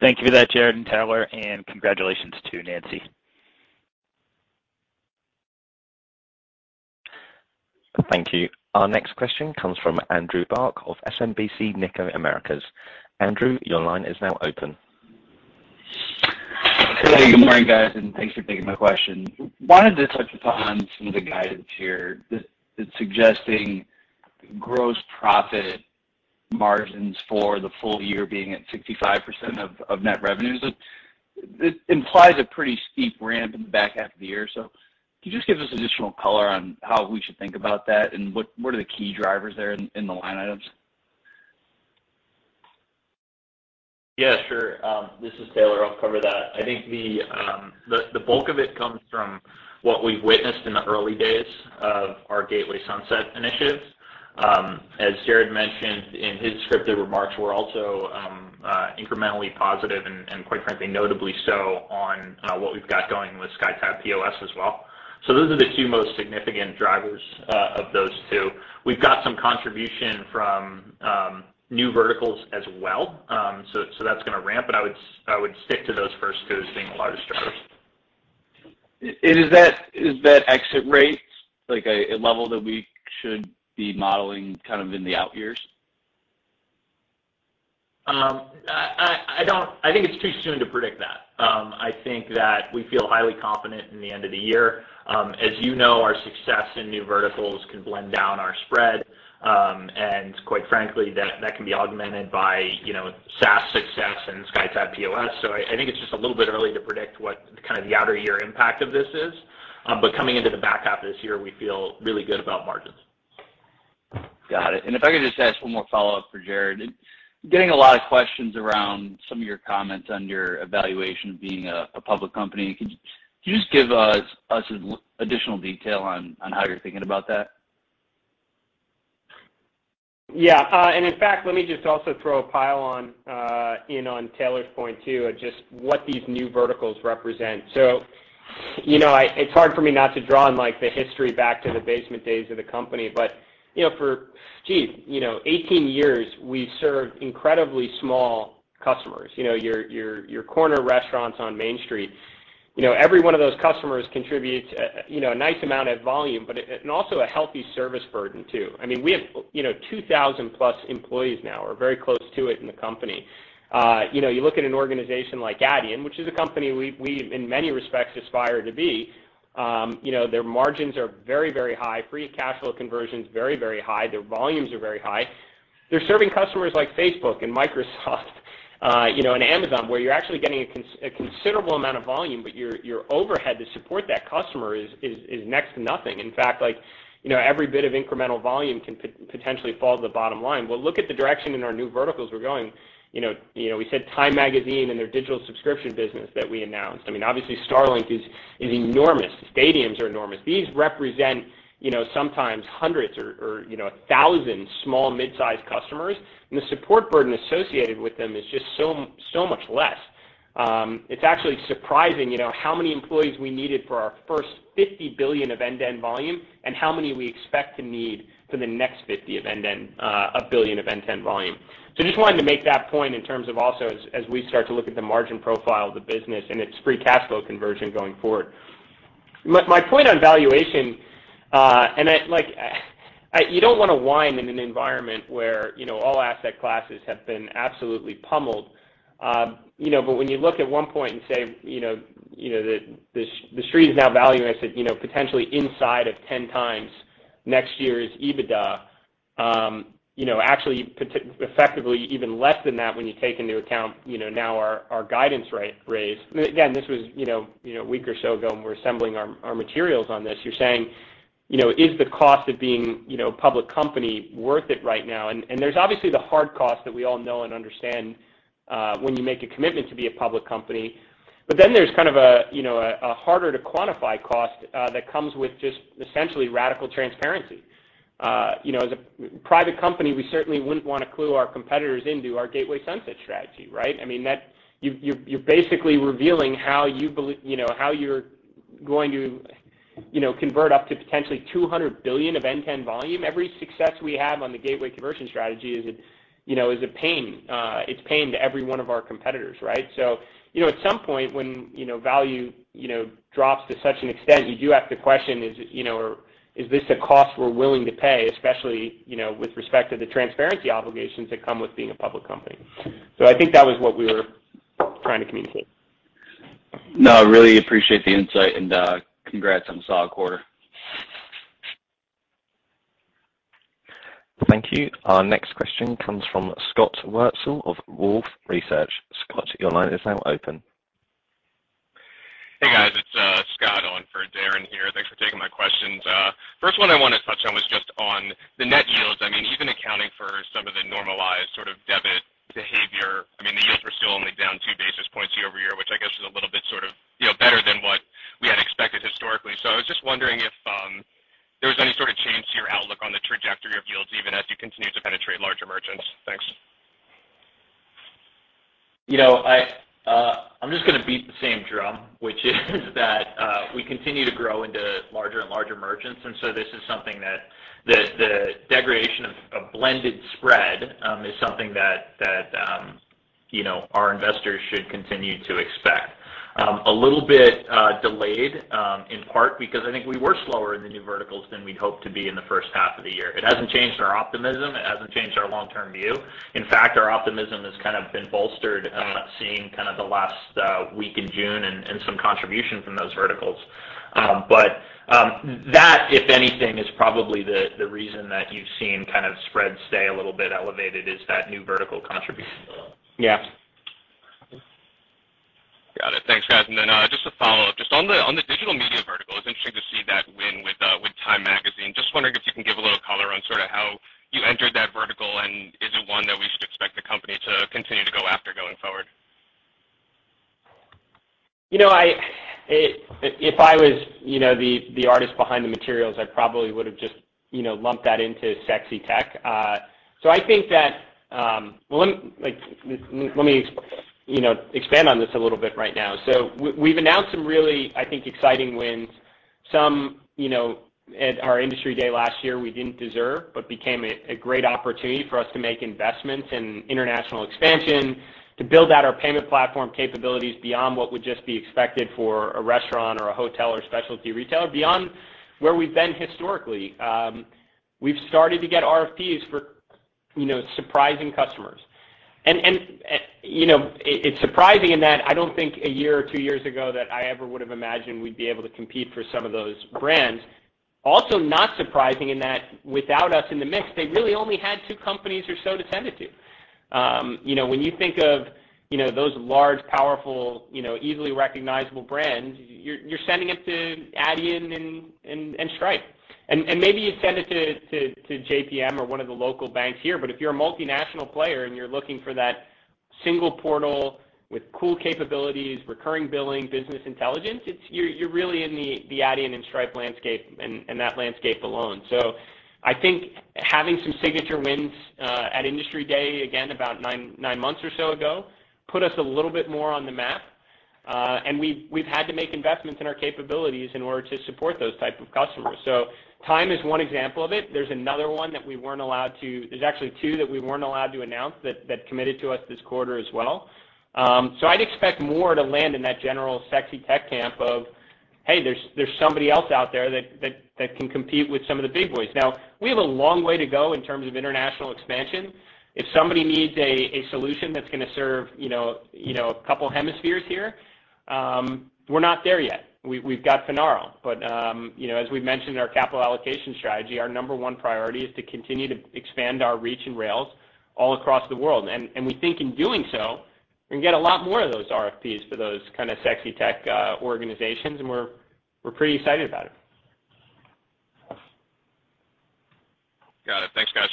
Thank you for that, Jared and Taylor, and congratulations to Nancy. Thank you. Our next question comes from Andrew Bauch of SMBC Nikko Americas. Andrew, your line is now open. Hey, good morning, guys, and thanks for taking my question. Wanted to touch upon some of the guidance here that is suggesting gross profit margins for the full year being at 65% of net revenues. It implies a pretty steep ramp in the back half of the year. Can you just give us additional color on how we should think about that and what are the key drivers there in the line items? Yeah, sure. This is Taylor. I'll cover that. I think the bulk of it comes from what we've witnessed in the early days of our Gateway Sunset initiative. As Jared mentioned in his scripted remarks, we're also incrementally positive and quite frankly, notably so on what we've got going with SkyTab POS as well. Those are the two most significant drivers of those two. We've got some contribution from new verticals as well. That's gonna ramp, and I would stick to those first two as being the largest drivers. Is that exit rate like a level that we should be modeling kind of in the out years? I think it's too soon to predict that. I think that we feel highly confident in the end of the year. As you know, our success in new verticals can blend down our spread. Quite frankly, that can be augmented by, you know, SaaS success and SkyTab POS. I think it's just a little bit early to predict what kind of the out-year impact of this is. Coming into the back half of this year, we feel really good about margins. Got it. If I could just ask one more follow-up for Jared. Getting a lot of questions around some of your comments on your evaluation of being a public company. Could you just give us additional detail on how you're thinking about that? Yeah. In fact, let me just also throw a pile on in on Taylor's point too, of just what these new verticals represent. You know, it's hard for me not to draw on like the history back to the basement days of the company. You know, 18 years we served incredibly small customers. You know, your corner restaurants on Main Street. You know, every one of those customers contributes you know a nice amount of volume, but and also a healthy service burden too. I mean, we have you know 2,000+ employees now or very close to it in the company. You know, you look at an organization like Adyen, which is a company we in many respects aspire to be you know their margins are very, very high. Free cash flow conversion is very, very high. Their volumes are very high. They're serving customers like Facebook and Microsoft, you know, in Amazon, where you're actually getting a considerable amount of volume, but your overhead to support that customer is next to nothing. In fact, like, you know, every bit of incremental volume can potentially fall to the bottom line. Look at the direction in our new verticals we're going. You know, we said Time Magazine and their digital subscription business that we announced. I mean, obviously, Starlink is enormous. The stadiums are enormous. These represent, you know, sometimes hundreds or a thousand small mid-sized customers, and the support burden associated with them is just so much less. It's actually surprising, you know, how many employees we needed for our first $50 billion of end-to-end volume and how many we expect to need for the next $50 billion of end-to-end volume. Just wanted to make that point in terms of also as we start to look at the margin profile of the business and its free cash flow conversion going forward. My point on valuation, and I like, you don't wanna whine in an environment where, you know, all asset classes have been absolutely pummeled. You know, when you look at 1x and say, you know, the Street is now valuing us at, you know, potentially inside of 10x next year's EBITDA, you know, actually, effectively even less than that when you take into account, you know, now our guidance raise. Again, this was, you know, a week or so ago, and we're assembling our materials on this. You're saying, you know, "Is the cost of being, you know, a public company worth it right now?" There's obviously the hard cost that we all know and understand, when you make a commitment to be a public company. Then there's kind of a, you know, a harder to quantify cost, that comes with just essentially radical transparency. You know, as a private company, we certainly wouldn't wanna clue our competitors into our Gateway Sunset strategy, right? I mean, that. You're basically revealing how you believe, you know, how you're going to, you know, convert up to potentially 200 billion of end-to-end volume. Every success we have on the gateway conversion strategy is a pain. It's pain to every one of our competitors, right? You know, at some point when value drops to such an extent, you do have to question or is this a cost we're willing to pay, especially with respect to the transparency obligations that come with being a public company. So I think that was what we were trying to communicate. No, I really appreciate the insight and, congrats on a solid quarter. Thank you. Our next question comes from Scott Wurtzel of Wolfe Research. Scott, your line is now open. Hey, guys. It's Scott Wurtzel on for Darrin Peller here. Thanks for taking my questions. First one I wanna touch on was just on the net yields. I mean, even accounting for some of the normalized sort of debit behavior, I mean, the yields were still only down two basis points year-over-year, which I guess is a little bit sort of, you know, better than what we had expected historically. I was just wondering if there was any sort of change to your outlook on the trajectory of yields, even as you continue to penetrate larger merchants. Thanks. You know, I'm just gonna beat the same drum, which is that we continue to grow into larger and larger merchants, and so this is something that the degradation of blended spread is something that you know, our investors should continue to expect. A little bit delayed, in part because I think we were slower in the new verticals than we'd hoped to be in the first half of the year. It hasn't changed our optimism. It hasn't changed our long-term view. In fact, our optimism has kind of been bolstered, seeing kind of the last week in June and some contribution from those verticals. That, if anything, is probably the reason that you've seen kind of spread stay a little bit elevated is that new vertical contribution. Yeah. Got it. Thanks, guys. Just to follow up, just on the digital media vertical, it's interesting to see that win with Time magazine. Just wondering if you can give a little color on sort of how you entered that vertical and is it one that we should expect the company to continue to go after going forward? You know, if I was, you know, the artist behind the materials, I probably would've just, you know, lumped that into sexy tech. I think that, like, let me, you know, expand on this a little bit right now. We've announced some really, I think, exciting wins. Some, you know, at our Industry Day last year we didn't deserve, but became a great opportunity for us to make investments in international expansion, to build out our payment platform capabilities beyond what would just be expected for a restaurant or a hotel or specialty retailer, beyond where we've been historically. We've started to get RFPs for, you know, surprising customers. You know, it's surprising in that I don't think a year or two years ago that I ever would've imagined we'd be able to compete for some of those brands. Also not surprising in that without us in the mix, they really only had two companies or so to send it to. You know, when you think of, you know, those large, powerful, you know, easily recognizable brands, you're sending it to Adyen and Stripe. Maybe you send it to JPM or one of the local banks here, but if you're a multinational player and you're looking for that single portal with cool capabilities, recurring billing, business intelligence. You're really in the Adyen and Stripe landscape and that landscape alone. I think having some signature wins at Industry Day, again about nine months or so ago, put us a little bit more on the map. We've had to make investments in our capabilities in order to support those type of customers. Time is one example of it. There's actually two that we weren't allowed to announce that committed to us this quarter as well. I'd expect more to land in that general sexy tech camp of, "Hey, there's somebody else out there that can compete with some of the big boys." Now, we have a long way to go in terms of international expansion. If somebody needs a solution that's gonna serve, you know, a couple hemispheres here. We're not there yet. We've got Finaro. You know, as we've mentioned in our capital allocation strategy, our number one priority is to continue to expand our reach in rails all across the world. We think in doing so, we can get a lot more of those RFPs for those kind of sexy tech organizations, and we're pretty excited about it. Got it. Thanks, guys.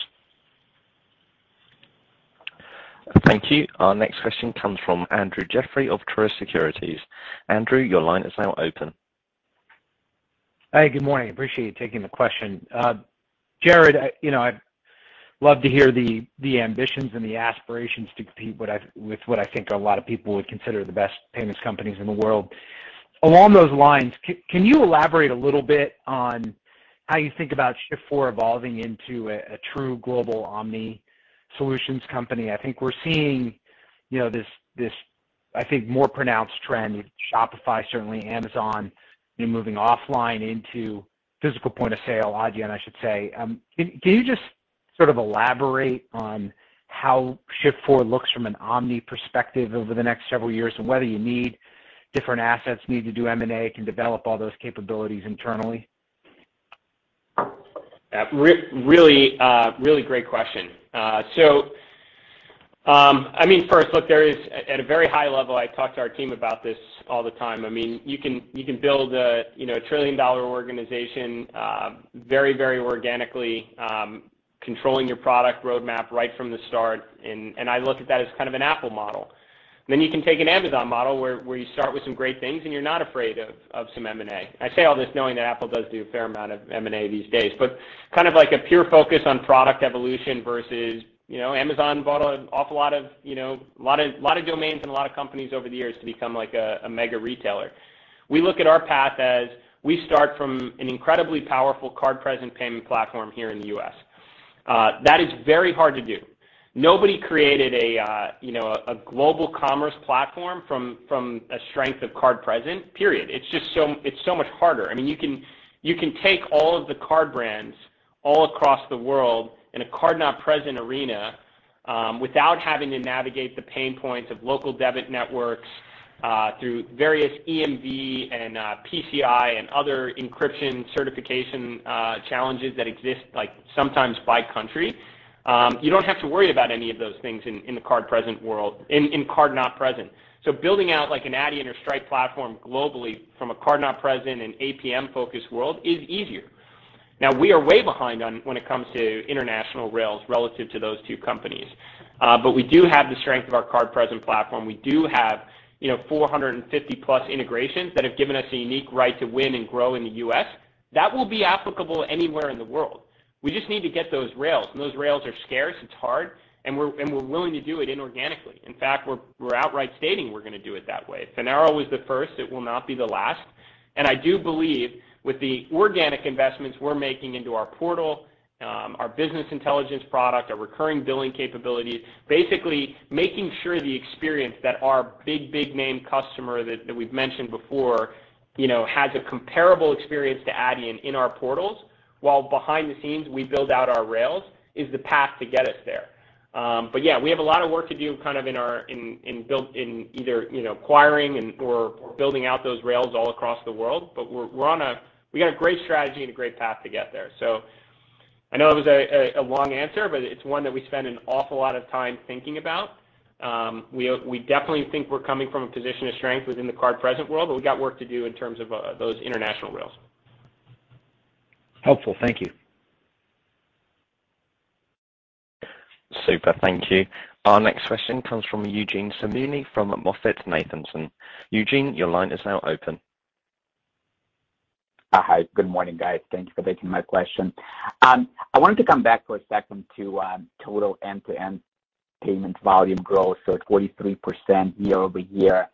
Thank you. Our next question comes from Andrew Jeffrey of Truist Securities. Andrew, your line is now open. Hey, good morning. Appreciate you taking the question. Jared, you know, I love to hear the ambitions and the aspirations to compete with what I think a lot of people would consider the best payments companies in the world. Along those lines, can you elaborate a little bit on how you think about Shift4 evolving into a true global omni solutions company? I think we're seeing more pronounced trend with Shopify, certainly Amazon, moving offline into physical point of sale, Adyen, I should say. Can you just sort of elaborate on how Shift4 looks from an omni perspective over the next several years and whether you need different assets, need to do M&A, can develop all those capabilities internally? Really great question. I mean, first look, there is at a very high level I talk to our team about this all the time. I mean, you can build a, you know, a trillion-dollar organization very organically, controlling your product roadmap right from the start and I look at that as kind of an Apple model. You can take an Amazon model where you start with some great things and you're not afraid of some M&A. I say all this knowing that Apple does do a fair amount of M&A these days, but kind of like a pure focus on product evolution versus, you know, Amazon bought an awful lot of domains and a lot of companies over the years to become like a mega retailer. We look at our path as we start from an incredibly powerful card-present payment platform here in the U.S. That is very hard to do. Nobody created a, you know, a global commerce platform from a strength of card present, period. It's just so much harder. I mean, you can take all of the card brands all across the world in a card-not-present arena without having to navigate the pain points of local debit networks through various EMV and PCI and other encryption certification challenges that exist like sometimes by country. You don't have to worry about any of those things in the card-present world, in card not present. Building out like an Adyen or Stripe platform globally from a card-not-present and APM focused world is easier. Now, we are way behind when it comes to international rails relative to those two companies. We do have the strength of our card-present platform. We do have, you know, 450+ integrations that have given us a unique right to win and grow in the U.S. That will be applicable anywhere in the world. We just need to get those rails, and those rails are scarce. It's hard, and we're willing to do it inorganically. In fact, we're outright stating we're gonna do it that way. Finaro was the first, it will not be the last. I do believe with the organic investments we're making into our portal, our business intelligence product, our recurring billing capabilities, basically making sure the experience that our big name customer that we've mentioned before, you know, has a comparable experience to Adyen in our portals while behind the scenes we build out our rails is the path to get us there. Yeah, we have a lot of work to do kind of building, either you know, acquiring and/or building out those rails all across the world. We're on a. We got a great strategy and a great path to get there. I know it was a long answer, but it's one that we spend an awful lot of time thinking about. We definitely think we're coming from a position of strength within the card-present world, but we got work to do in terms of those international rails. Helpful. Thank you. Super. Thank you. Our next question comes from Eugene Simuni from MoffettNathanson. Eugene, your line is now open. Hi. Good morning, guys. Thank you for taking my question. I wanted to come back for a second to total end-to-end payment volume growth, so it's 43% year-over-year.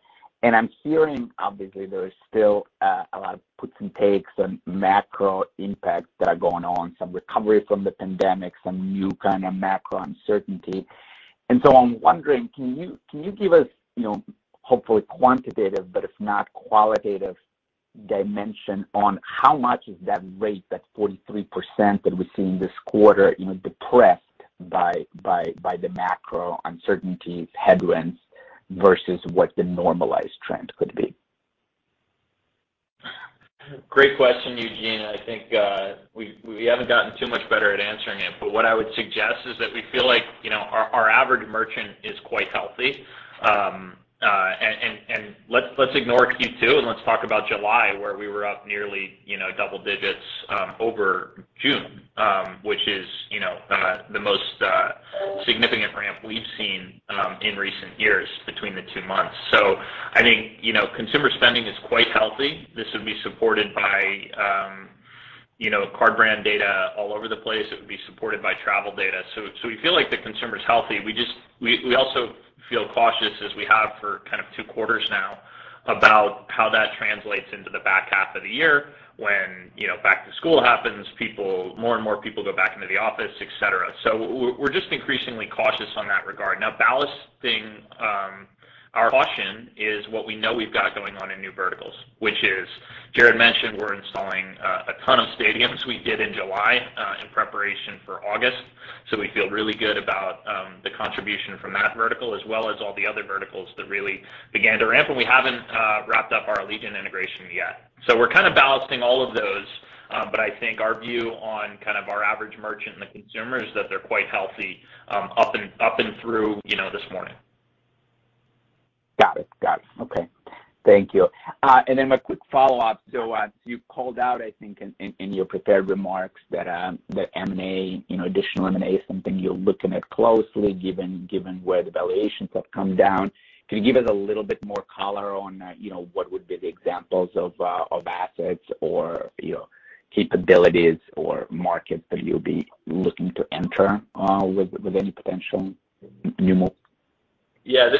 I'm hearing obviously there is still a lot of puts and takes and macro impacts that are going on, some recovery from the pandemic, some new kind of macro uncertainty. I'm wondering, can you give us, you know, hopefully quantitative, but if not, qualitative dimension on how much is that rate, that 43% that we're seeing this quarter, you know, depressed by the macro uncertainty headwinds versus what the normalized trend could be? Great question, Eugene. I think we haven't gotten too much better at answering it. What I would suggest is that we feel like, you know, our average merchant is quite healthy. And let's ignore Q2, and let's talk about July, where we were up nearly, you know, double digits over June, which is, you know, the most significant ramp we've seen in recent years between the two months. I think, you know, consumer spending is quite healthy. This would be supported by, you know, card brand data all over the place. It would be supported by travel data. We feel like the consumer is healthy. We just... We also feel cautious as we have for kind of two quarters now about how that translates into the back half of the year when, you know, back to school happens, more and more people go back into the office, etc. We're just increasingly cautious in that regard. Now, bolstering our caution is what we know we've got going on in new verticals, as Jared mentioned we're installing a ton of stadiums. We did in July in preparation for August, so we feel really good about the contribution from that vertical as well as all the other verticals that really began to ramp, and we haven't wrapped up our Allegiant integration yet. We're kind of balancing all of those, but I think our view on kind of our average merchant and the consumer is that they're quite healthy, up and through, you know, this morning. Got it. Okay. Thank you. A quick follow-up. You called out, I think, in your prepared remarks that M&A, you know, additional M&A is something you're looking at closely given where the valuations have come down. Can you give us a little bit more color on, you know, what would be the examples of assets or, you know, capabilities or markets that you'll be looking to enter with any potential new mo- Yeah.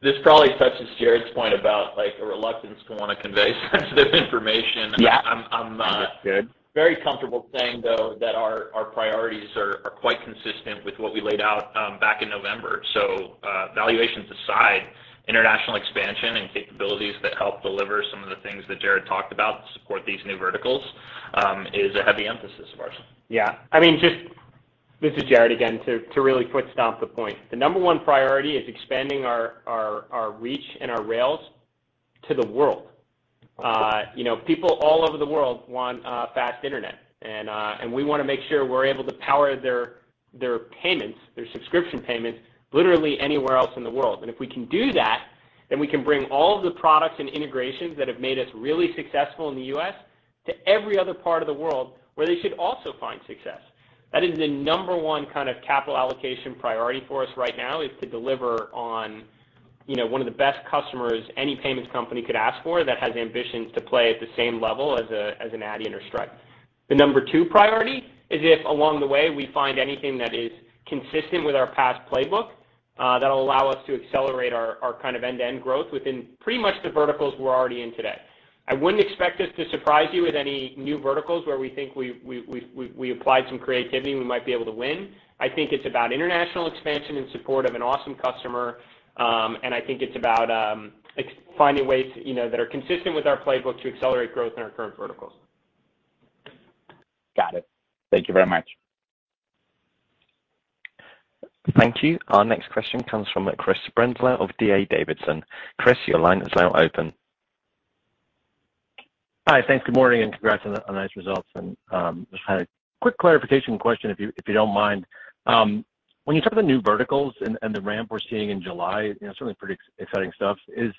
This probably touches Jared's point about, like, a reluctance to wanna convey sensitive information. Yeah. I'm. Understood. Very comfortable saying, though, that our priorities are quite consistent with what we laid out back in November. Valuations aside, international expansion and capabilities that help deliver some of the things that Jared talked about to support these new verticals is a heavy emphasis of ours. Yeah. I mean, this is Jared again. To really put a stamp on the point. The number one priority is expanding our reach and our rails to the world. You know, people all over the world want fast internet, and we wanna make sure we're able to power their payments, their subscription payments literally anywhere else in the world. If we can do that, then we can bring all of the products and integrations that have made us really successful in the U.S. to every other part of the world where they should also find success. That is the number one kind of capital allocation priority for us right now, is to deliver on, you know, one of the best customers any payments company could ask for that has ambitions to play at the same level as Adyen or Stripe. The number two priority is if along the way we find anything that is consistent with our past playbook, that'll allow us to accelerate our kind of end-to-end growth within pretty much the verticals we're already in today. I wouldn't expect us to surprise you with any new verticals where we think we applied some creativity and we might be able to win. I think it's about international expansion in support of an awesome customer, and I think it's about finding ways, you know, that are consistent with our playbook to accelerate growth in our current verticals. Got it. Thank you very much. Thank you. Our next question comes from Chris Brendler of D.A. Davidson. Chris, your line is now open. Hi. Thanks. Good morning, and congrats on the nice results. Just had a quick clarification question if you don't mind. When you talk about new verticals and the ramp we're seeing in July, you know, certainly pretty exciting stuff, is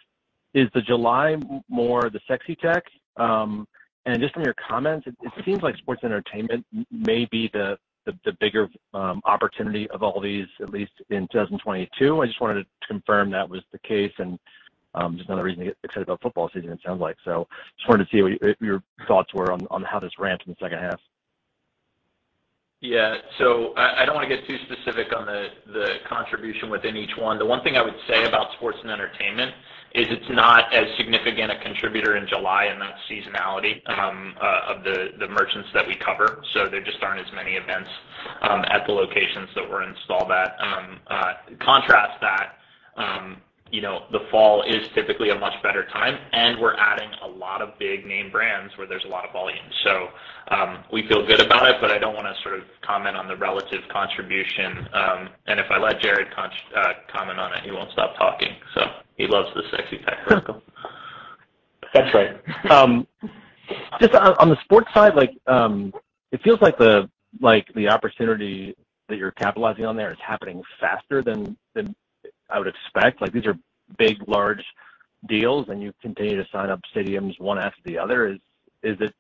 the July more the sexy tech? Just from your comments, it seems like sports entertainment may be the bigger opportunity of all these, at least in 2022. I just wanted to confirm that was the case, and just another reason to get excited about football season, it sounds like. Just wanted to see what your thoughts were on how this ramps in the second half. Yeah. I don't wanna get too specific on the contribution within each one. The one thing I would say about sports and entertainment isn't as significant a contributor in July, and that's seasonality of the merchants that we cover. There just aren't as many events at the locations that we're installed at. You know, the fall is typically a much better time, and we're adding a lot of big name brands where there's a lot of volume. We feel good about it, but I don't wanna sort of comment on the relative contribution. If I let Jared comment on it, he won't stop talking. He loves the sexy tech vertical. That's right. Just on the sports side, like, it feels like the opportunity that you're capitalizing on there is happening faster than I would expect. Like, these are big, large deals, and you continue to sign up stadiums one after the other. Is there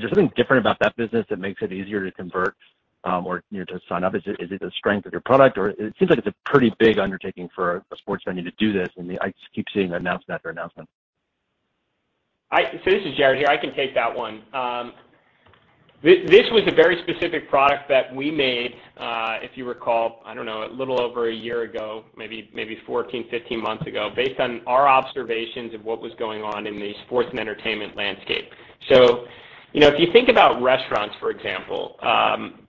something different about that business that makes it easier to convert, or, you know, to sign up? Is it a strength of your product? It seems like it's a pretty big undertaking for a sports venue to do this, and I just keep seeing announcement after announcement. This is Jared here. I can take that one. This was a very specific product that we made, if you recall, I don't know, a little over a year ago, maybe 14, 15 months ago, based on our observations of what was going on in the sports and entertainment landscape. You know, if you think about restaurants, for example,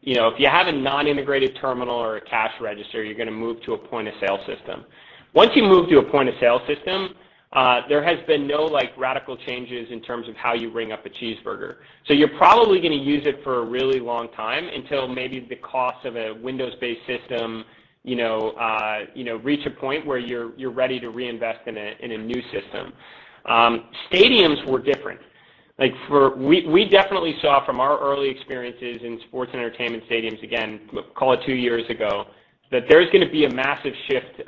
you know, if you have a non-integrated terminal or a cash register, you're gonna move to a point-of-sale system. Once you move to a point-of-sale system, there has been no, like, radical changes in terms of how you ring up a cheeseburger. You're probably gonna use it for a really long time until maybe the cost of a Windows-based system, you know, reach a point where you're ready to reinvest in a new system. Stadiums were different. We definitely saw from our early experiences in sports and entertainment stadiums, again, call it two years ago, that there's gonna be a massive shift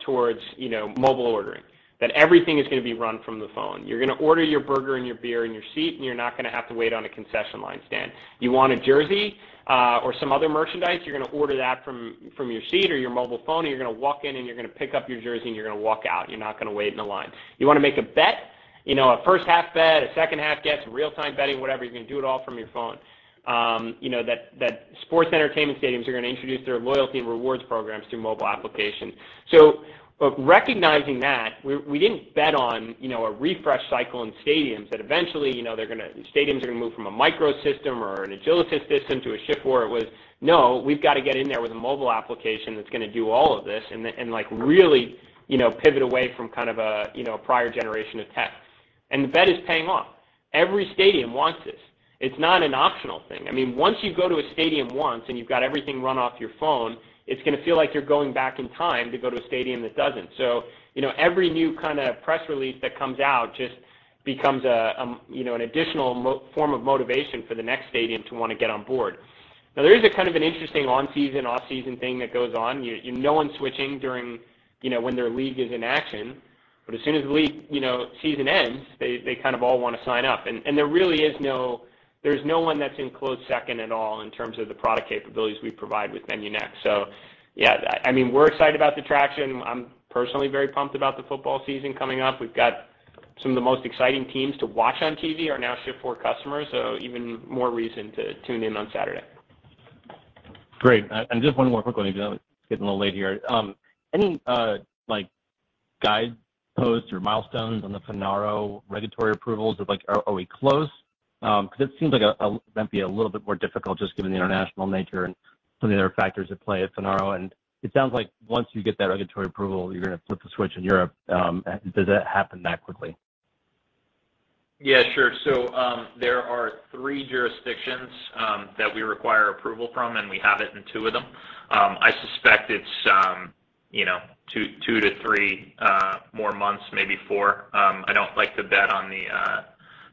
towards, you know, mobile ordering. That everything is gonna be run from the phone. You're gonna order your burger and your beer in your seat, and you're not gonna have to wait on a concession line stand. You want a jersey or some other merchandise, you're gonna order that from your seat or your mobile phone, and you're gonna walk in and you're gonna pick up your jersey and you're gonna walk out. You're not gonna wait in a line. You wanna make a bet, you know, a first half bet, a second half guess, real-time betting, whatever, you're gonna do it all from your phone. You know, that sports entertainment stadiums are gonna introduce their loyalty and rewards programs through mobile application. Recognizing that, we didn't bet on, you know, a refresh cycle in stadiums, that eventually, you know, stadiums are gonna move from a Micros system or an Agilysys system to a Shift4. It was, "No, we've gotta get in there with a mobile application that's gonna do all of this and, like, really, you know, pivot away from kind of a, you know, a prior generation of tech." The bet is paying off. Every stadium wants this. It's not an optional thing. I mean, once you go to a stadium once, and you've got everything run off your phone, it's gonna feel like you're going back in time to go to a stadium that doesn't. You know, every new kinda press release that comes out just becomes a, you know, an additional form of motivation for the next stadium to wanna get on board. Now there is a kind of an interesting on-season/off-season thing that goes on. No one's switching during, you know, when their league is in action. But as soon as the league, you know, season ends, they kind of all wanna sign up. There really is no-- There's no one that's in close second at all in terms of the product capabilities we provide with VenueNext. Yeah. I mean, we're excited about the traction. I'm personally very pumped about the football season coming up. We've got some of the most exciting teams to watch on TV are now Shift4 customers, so even more reason to tune in on Saturday. Great. And just one more quick one, because it's getting a little late here. Any like guideposts or milestones on the Finaro regulatory approvals? Like, are we close? 'Cause it seems like a little bit more difficult just given the international nature and some of the other factors at play at Finaro. It sounds like once you get that regulatory approval, you're gonna flip the switch in Europe. Does that happen that quickly? Yeah, sure. There are three jurisdictions that we require approval from, and we have it in two of them. I suspect it's, you know, two to three more months, maybe four. I don't like to bet on the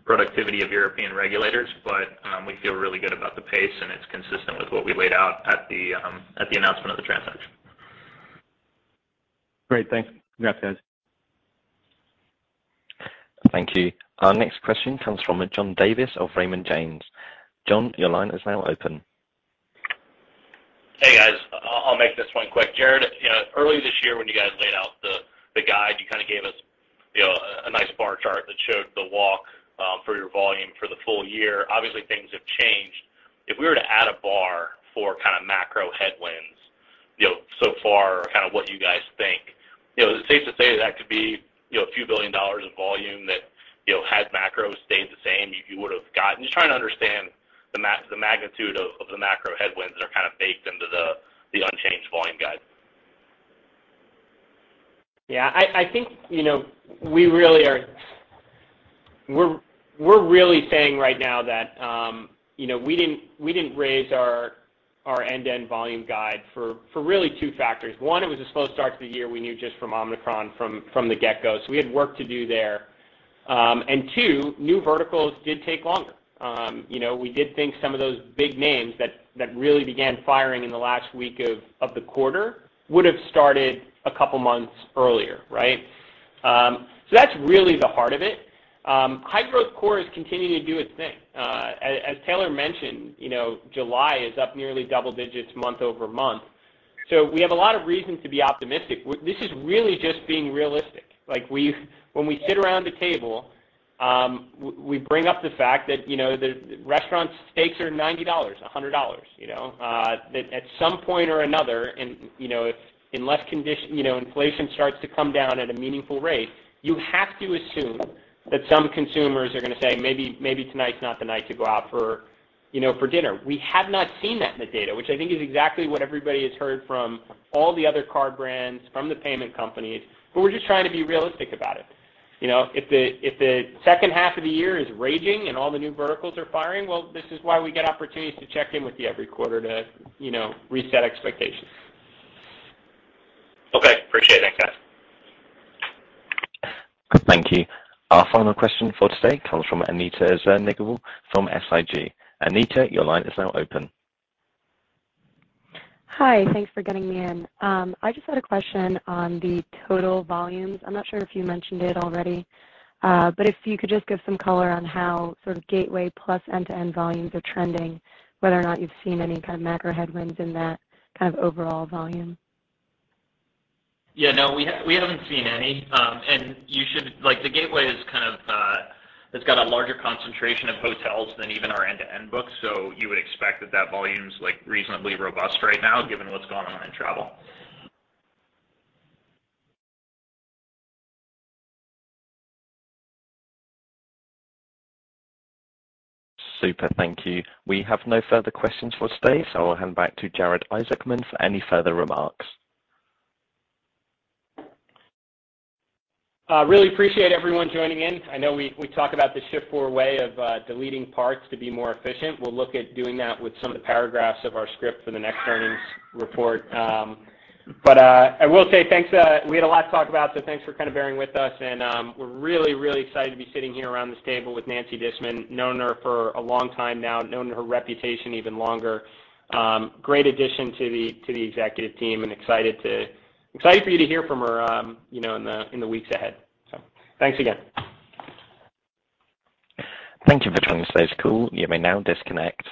productivity of European regulators, but we feel really good about the pace, and it's consistent with what we laid out at the announcement of the transaction. Great. Thanks. Congrats, guys. Thank you. Our next question comes from John Davis of Raymond James. John, your line is now open. Hey, guys. I'll make this one quick. Jared, you know, early this year when you guys laid out the guide, you kinda gave us, you know, a nice bar chart that showed the walk for your volume for the full year. Obviously, things have changed. If we were to add a bar for kinda macro headwinds, you know, so far, kinda what you guys think, you know, is it safe to say that could be, you know, a few billion dollars of volume that, you know, had macro stayed the same, you would've gotten? Just trying to understand the magnitude of the macro headwinds that are kinda baked into the unchanged volume guide. Yeah. I think, you know, we really are. We're really saying right now that, you know, we didn't raise our end-to-end volume guide for really two factors. One, it was a slow start to the year we knew just from Omicron from the get-go. We had work to do there. Two, new verticals did take longer. You know, we did think some of those big names that really began firing in the last week of the quarter would've started a couple months earlier, right? That's really the heart of it. High-growth core is continuing to do its thing. As Taylor mentioned, you know, July is up nearly double digits month-over-month. We have a lot of reasons to be optimistic. This is really just being realistic. When we sit around a table, we bring up the fact that, you know, the restaurant's steaks are $90, $100, you know. That at some point or another and, you know, if unless, you know, inflation starts to come down at a meaningful rate, you have to assume that some consumers are gonna say, "Maybe tonight's not the night to go out for, you know, for dinner." We have not seen that in the data, which I think is exactly what everybody has heard from all the other card brands, from the payment companies, but we're just trying to be realistic about it. You know, if the second half of the year is raging and all the new verticals are firing, well, this is why we get opportunities to check in with you every quarter to, you know, reset expectations. Okay. Appreciate it. Thanks, guys. Thank you. Our final question for today comes from Anita Salnikova from SIG. Anita, your line is now open. Hi. Thanks for getting me in. I just had a question on the total volumes. I'm not sure if you mentioned it already. If you could just give some color on how sort of gateway plus end-to-end volumes are trending, whether or not you've seen any kind of macro headwinds in that kind of overall volume? Yeah, no. We haven't seen any. You should—like, the gateway is kind of. It's got a larger concentration of hotels than even our end-to-end books. You would expect that volume's like reasonably robust right now given what's going on in travel. Super. Thank you. We have no further questions for today, so I'll hand back to Jared Isaacman for any further remarks. Really appreciate everyone joining in. I know we talk about the Shift4 way of deleting parts to be more efficient. We'll look at doing that with some of the paragraphs of our script for the next earnings report. I will say, thanks. We had a lot to talk about, so thanks for kinda bearing with us. We're really excited to be sitting here around this table with Nancy Disman. Known her for a long time now, known her reputation even longer. Great addition to the executive team and excited for you to hear from her, you know, in the weeks ahead. Thanks again. Thank you for joining today's call. You may now disconnect.